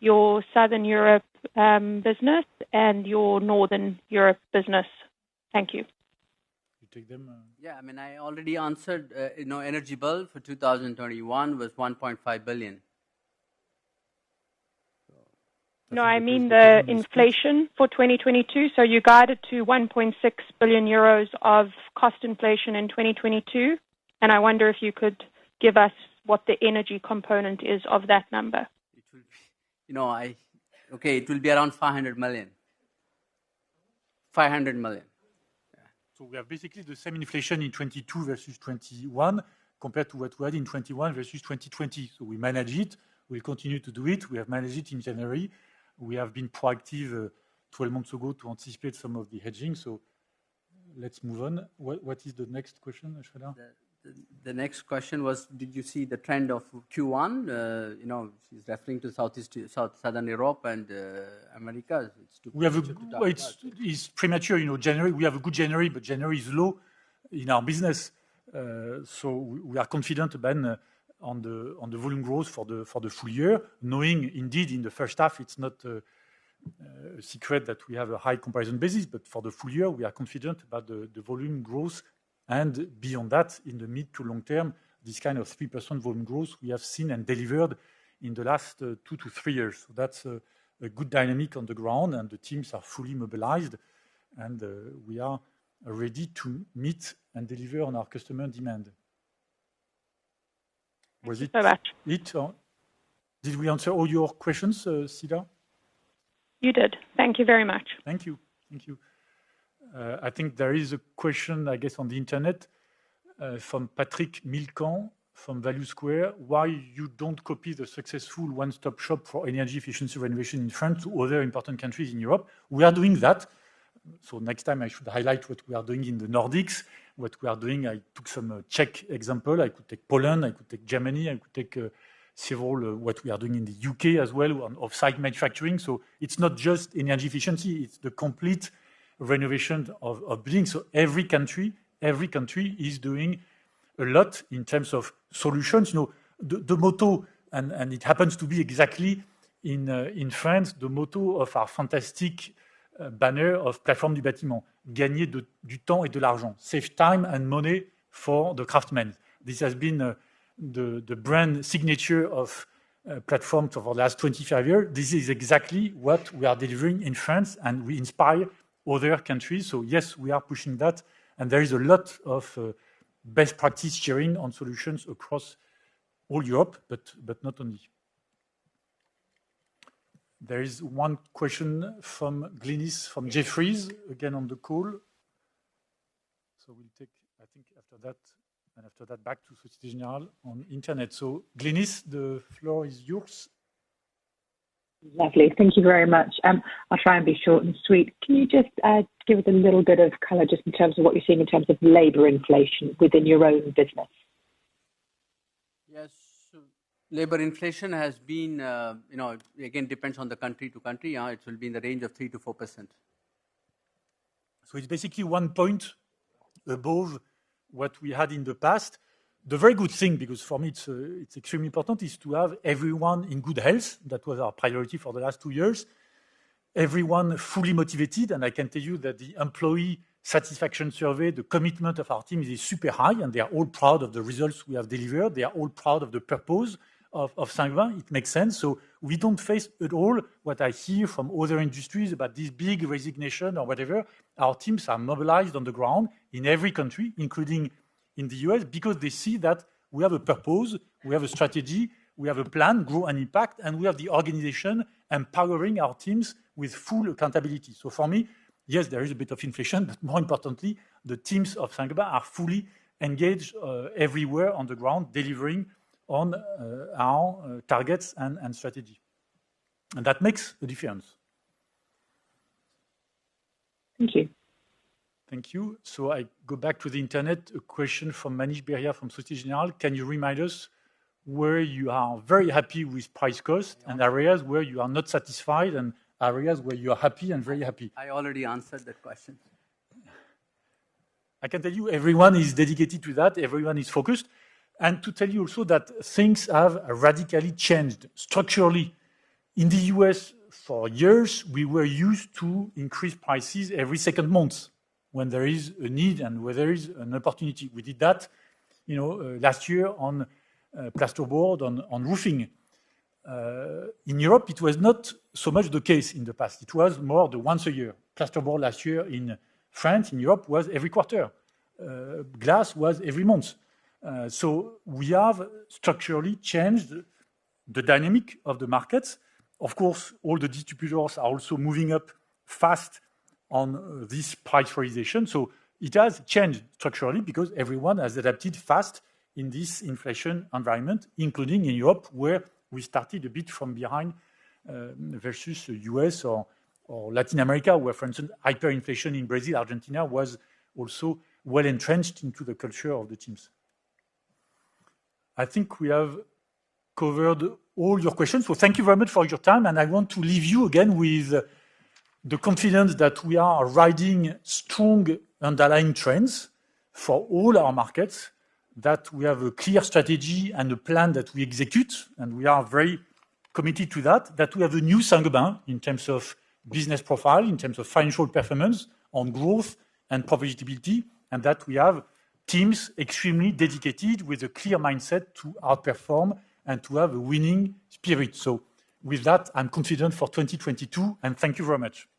your Southern Europe business and your Northern Europe business? Thank you. You take them? Yeah, I mean, I already answered. You know, energy bill for 2021 was 1.5 billion. So- No, I mean the inflation for 2022. You guided to 1.6 billion euros of cost inflation in 2022, and I wonder if you could give us what the energy component is of that number? Okay, it will be around 500 million. Yeah. We have basically the same inflation in 2022 versus 2021 compared to what we had in 2021 versus 2020. We manage it. We continue to do it. We have managed it in January. We have been proactive 12 months ago to anticipate some of the hedging. Let's move on. What is the next question, Cedar? The next question was, did you see the trend of Q1? You know, she's referring to Southern Europe and Americas. It's too- Well, it's premature, you know, January. We have a good January, but January is low in our business. We are confident, Benoit, on the volume growth for the full year, knowing indeed in the first half, it's not a secret that we have a high comparison basis. For the full year, we are confident about the volume growth. Beyond that, in the mid- to long-term, this kind of 3% volume growth we have seen and delivered in the last two-three years. That's a good dynamic on the ground, and the teams are fully mobilized. We are ready to meet and deliver on our customer demand. Was it- Thanks so much. Did we answer all your questions, Cedar Ekblom? You did. Thank you very much. Thank you. I think there is a question, I guess, on the Internet, from Patrick Millecam from Value Square. Why you don't copy the successful one-stop shop for energy efficiency renovation in France to other important countries in Europe? We are doing that. Next time I should highlight what we are doing in the Nordics. What we are doing, I took some Czech example. I could take Poland, I could take Germany, I could take several, what we are doing in the UK as well on off-site manufacturing. It's not just energy efficiency, it's the complete renovation of buildings. Every country is doing a lot in terms of solutions. You know, the motto, and it happens to be exactly in France, the motto of our fantastic brand of La Plateforme du Bâtiment, "Gagner du temps et de l'argent." Save time and money for the craftsmen. This has been the brand signature of La Plateforme du Bâtiment for the last 25 years. This is exactly what we are delivering in France, and we inspire other countries. Yes, we are pushing that, and there is a lot of best practice sharing on solutions across all Europe, but not only. There is one question from Glynis from Jefferies, again on the call. We'll take, I think after that, and after that back to Société Générale on internet. Glynis, the floor is yours. Lovely. Thank you very much. I'll try and be short and sweet. Can you just give us a little bit of color just in terms of what you're seeing in terms of labor inflation within your own business? Yes. Labor inflation has been, you know, again, depends on the country to country. It will be in the range of 3%-4%. It's basically 1 point above what we had in the past. The very good thing, because for me it's extremely important, is to have everyone in good health. That was our priority for the last two years. Everyone fully motivated, and I can tell you that the employee satisfaction survey, the commitment of our team is super high, and they are all proud of the results we have delivered. They are all proud of the purpose of Saint-Gobain. It makes sense. We don't face at all what I hear from other industries about this big resignation or whatever. Our teams are mobilized on the ground in every country, including in the U.S., because they see that we have a purpose, we have a strategy, we have a plan, Grow and Impact, and we have the organization empowering our teams with full accountability. For me, yes, there is a bit of inflation, but more importantly, the teams of Saint-Gobain are fully engaged, everywhere on the ground, delivering on our targets and strategy. That makes a difference. Thank you. Thank you. I go back to the internet, a question from Manish Beria from Société Générale. Can you remind us where you are very happy with price cost and areas where you are not satisfied and areas where you are happy and very happy? I already answered that question. I can tell you everyone is dedicated to that. Everyone is focused. To tell you also that things have radically changed structurally. In the U.S., for years, we were used to increase prices every second month when there is a need and where there is an opportunity. We did that, you know, last year on plasterboard, on roofing. In Europe, it was not so much the case in the past. It was more the once a year. Plasterboard last year in France, in Europe, was every quarter. Glass was every month. So we have structurally changed the dynamic of the markets. Of course, all the distributors are also moving up fast on this price realization. It has changed structurally because everyone has adapted fast in this inflation environment, including in Europe, where we started a bit from behind versus U.S. or Latin America, where, for instance, hyperinflation in Brazil, Argentina was also well entrenched into the culture of the teams. I think we have covered all your questions. Thank you very much for your time, and I want to leave you again with the confidence that we are riding strong underlying trends for all our markets, that we have a clear strategy and a plan that we execute, and we are very committed to that. That we have a new Saint-Gobain in terms of business profile, in terms of financial performance on growth and profitability, and that we have teams extremely dedicated with a clear mindset to outperform and to have a winning spirit. With that, I'm confident for 2022, and thank you very much.